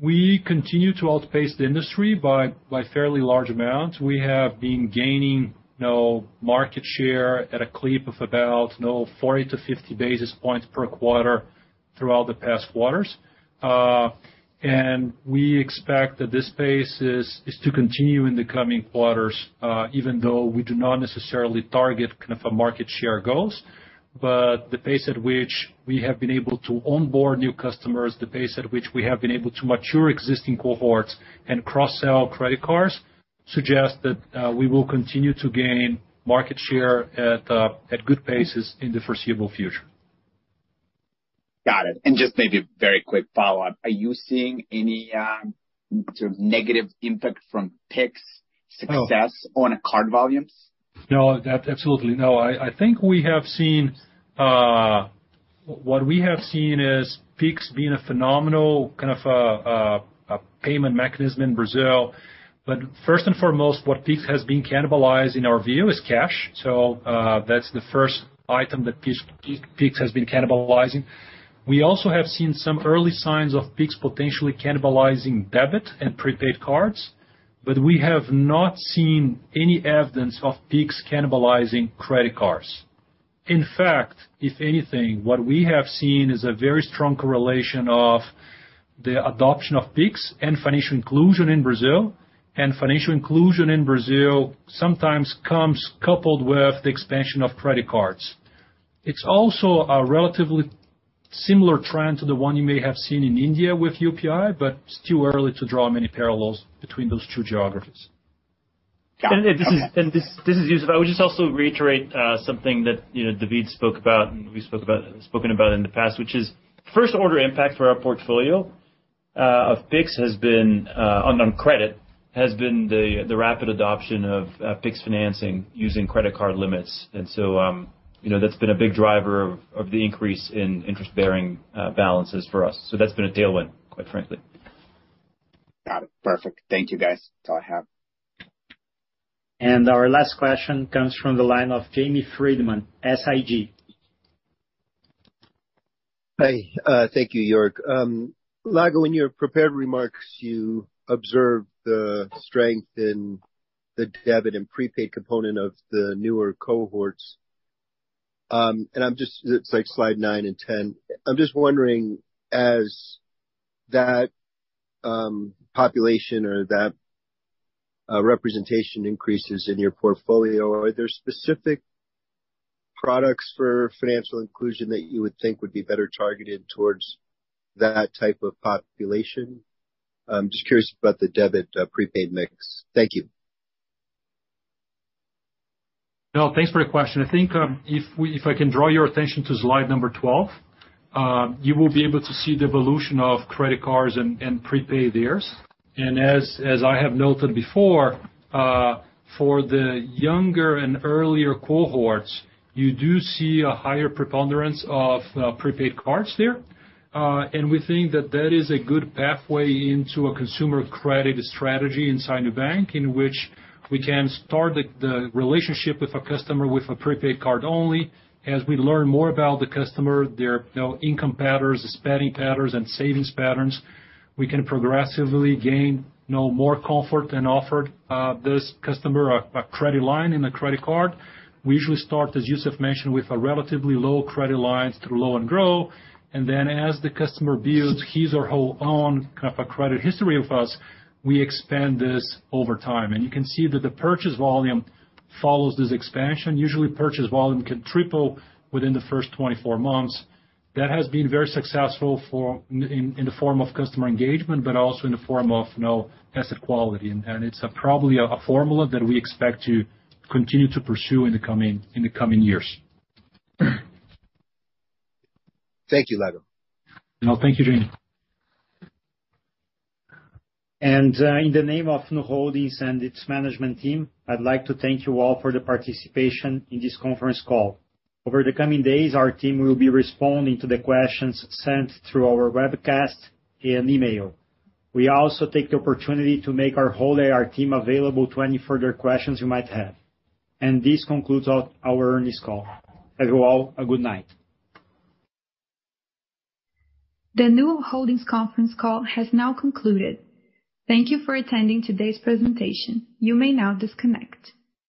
We continue to outpace the industry by, by fairly large amounts. We have been gaining, you know, market share at a clip of about, you know, 40 to 50 basis points per quarter throughout the past quarters. We expect that this pace is, is to continue in the coming quarters, even though we do not necessarily target kind of a market share goals. The pace at which we have been able to onboard new customers, the pace at which we have been able to mature existing cohorts and cross-sell credit cards, suggests that we will continue to gain market share at good paces in the foreseeable future. Got it. Just maybe a very quick follow-up. Are you seeing any sort of negative impact from Pix success on card volumes? No, absolutely. No, I think we have seen. What we have seen is Pix being a phenomenal kind of a payment mechanism in Brazil. First and foremost, what Pix has been cannibalizing, in our view, is cash. That's the first item that Pix, Pix has been cannibalizing. We also have seen some early signs of Pix potentially cannibalizing debit and prepaid cards, but we have not seen any evidence of Pix cannibalizing credit cards. In fact, if anything, what we have seen is a very strong correlation of the adoption of Pix and financial inclusion in Brazil, and financial inclusion in Brazil sometimes comes coupled with the expansion of credit cards. It's also a relatively similar trend to the one you may have seen in India with UPI, but it's too early to draw many parallels between those two geographies. Got it. This is Youssef. I would just also reiterate something that, you know, David spoke about, and we spoken about in the past, which is first order impact for our portfolio of Pix has been on credit, has been the rapid adoption of Pix financing using credit card limits. You know, that's been a big driver of the increase in interest-bearing balances for us. That's been a tailwind, quite frankly. Got it. Perfect. Thank you, guys. That's all I have. Our last question comes from the line of Jamie Friedman, SIG. Hi, thank you, Jörg. Lago, in your prepared remarks, you observed the strength in the debit and prepaid component of the newer cohorts. I'm just-- It's like slide 9 and 10. I'm just wondering, as that population or that representation increases in your portfolio, are there specific products for financial inclusion that you would think would be better targeted towards that type of population? I'm just curious about the debit, prepaid mix. Thank you. No, thanks for the question. I think, if I can draw your attention to slide 12, you will be able to see the evolution of credit cards and, and prepaid years. As I have noted before, for the younger and earlier cohorts, you do see a higher preponderance of prepaid cards there. We think that that is a good pathway into a consumer credit strategy inside the bank, in which we can start the, the relationship with a customer with a prepaid card only. As we learn more about the customer, their, you know, income patterns, spending patterns, and savings patterns, we can progressively gain, you know, more comfort and offer this customer a, a credit line in a credit card. We usually start, as Youssef mentioned, with a relatively low credit lines through low and grow, and then as the customer builds his or her own kind of a credit history with us, we expand this over time. You can see that the purchase volume follows this expansion. Usually, purchase volume can triple within the first 24 months. That has been very successful for in the form of customer engagement, but also in the form of no asset quality. And it's probably a formula that we expect to continue to pursue in the coming years. Thank you, Lago. No, thank you, Jamie. In the name of Nu Holdings and its management team, I'd like to thank you all for the participation in this conference call. Over the coming days, our team will be responding to the questions sent through our webcast and email. We also take the opportunity to make our whole IR team available to any further questions you might have. This concludes our earnings call. As well, a good night. The Nu Holdings conference call has now concluded. Thank you for attending today's presentation. You may now disconnect.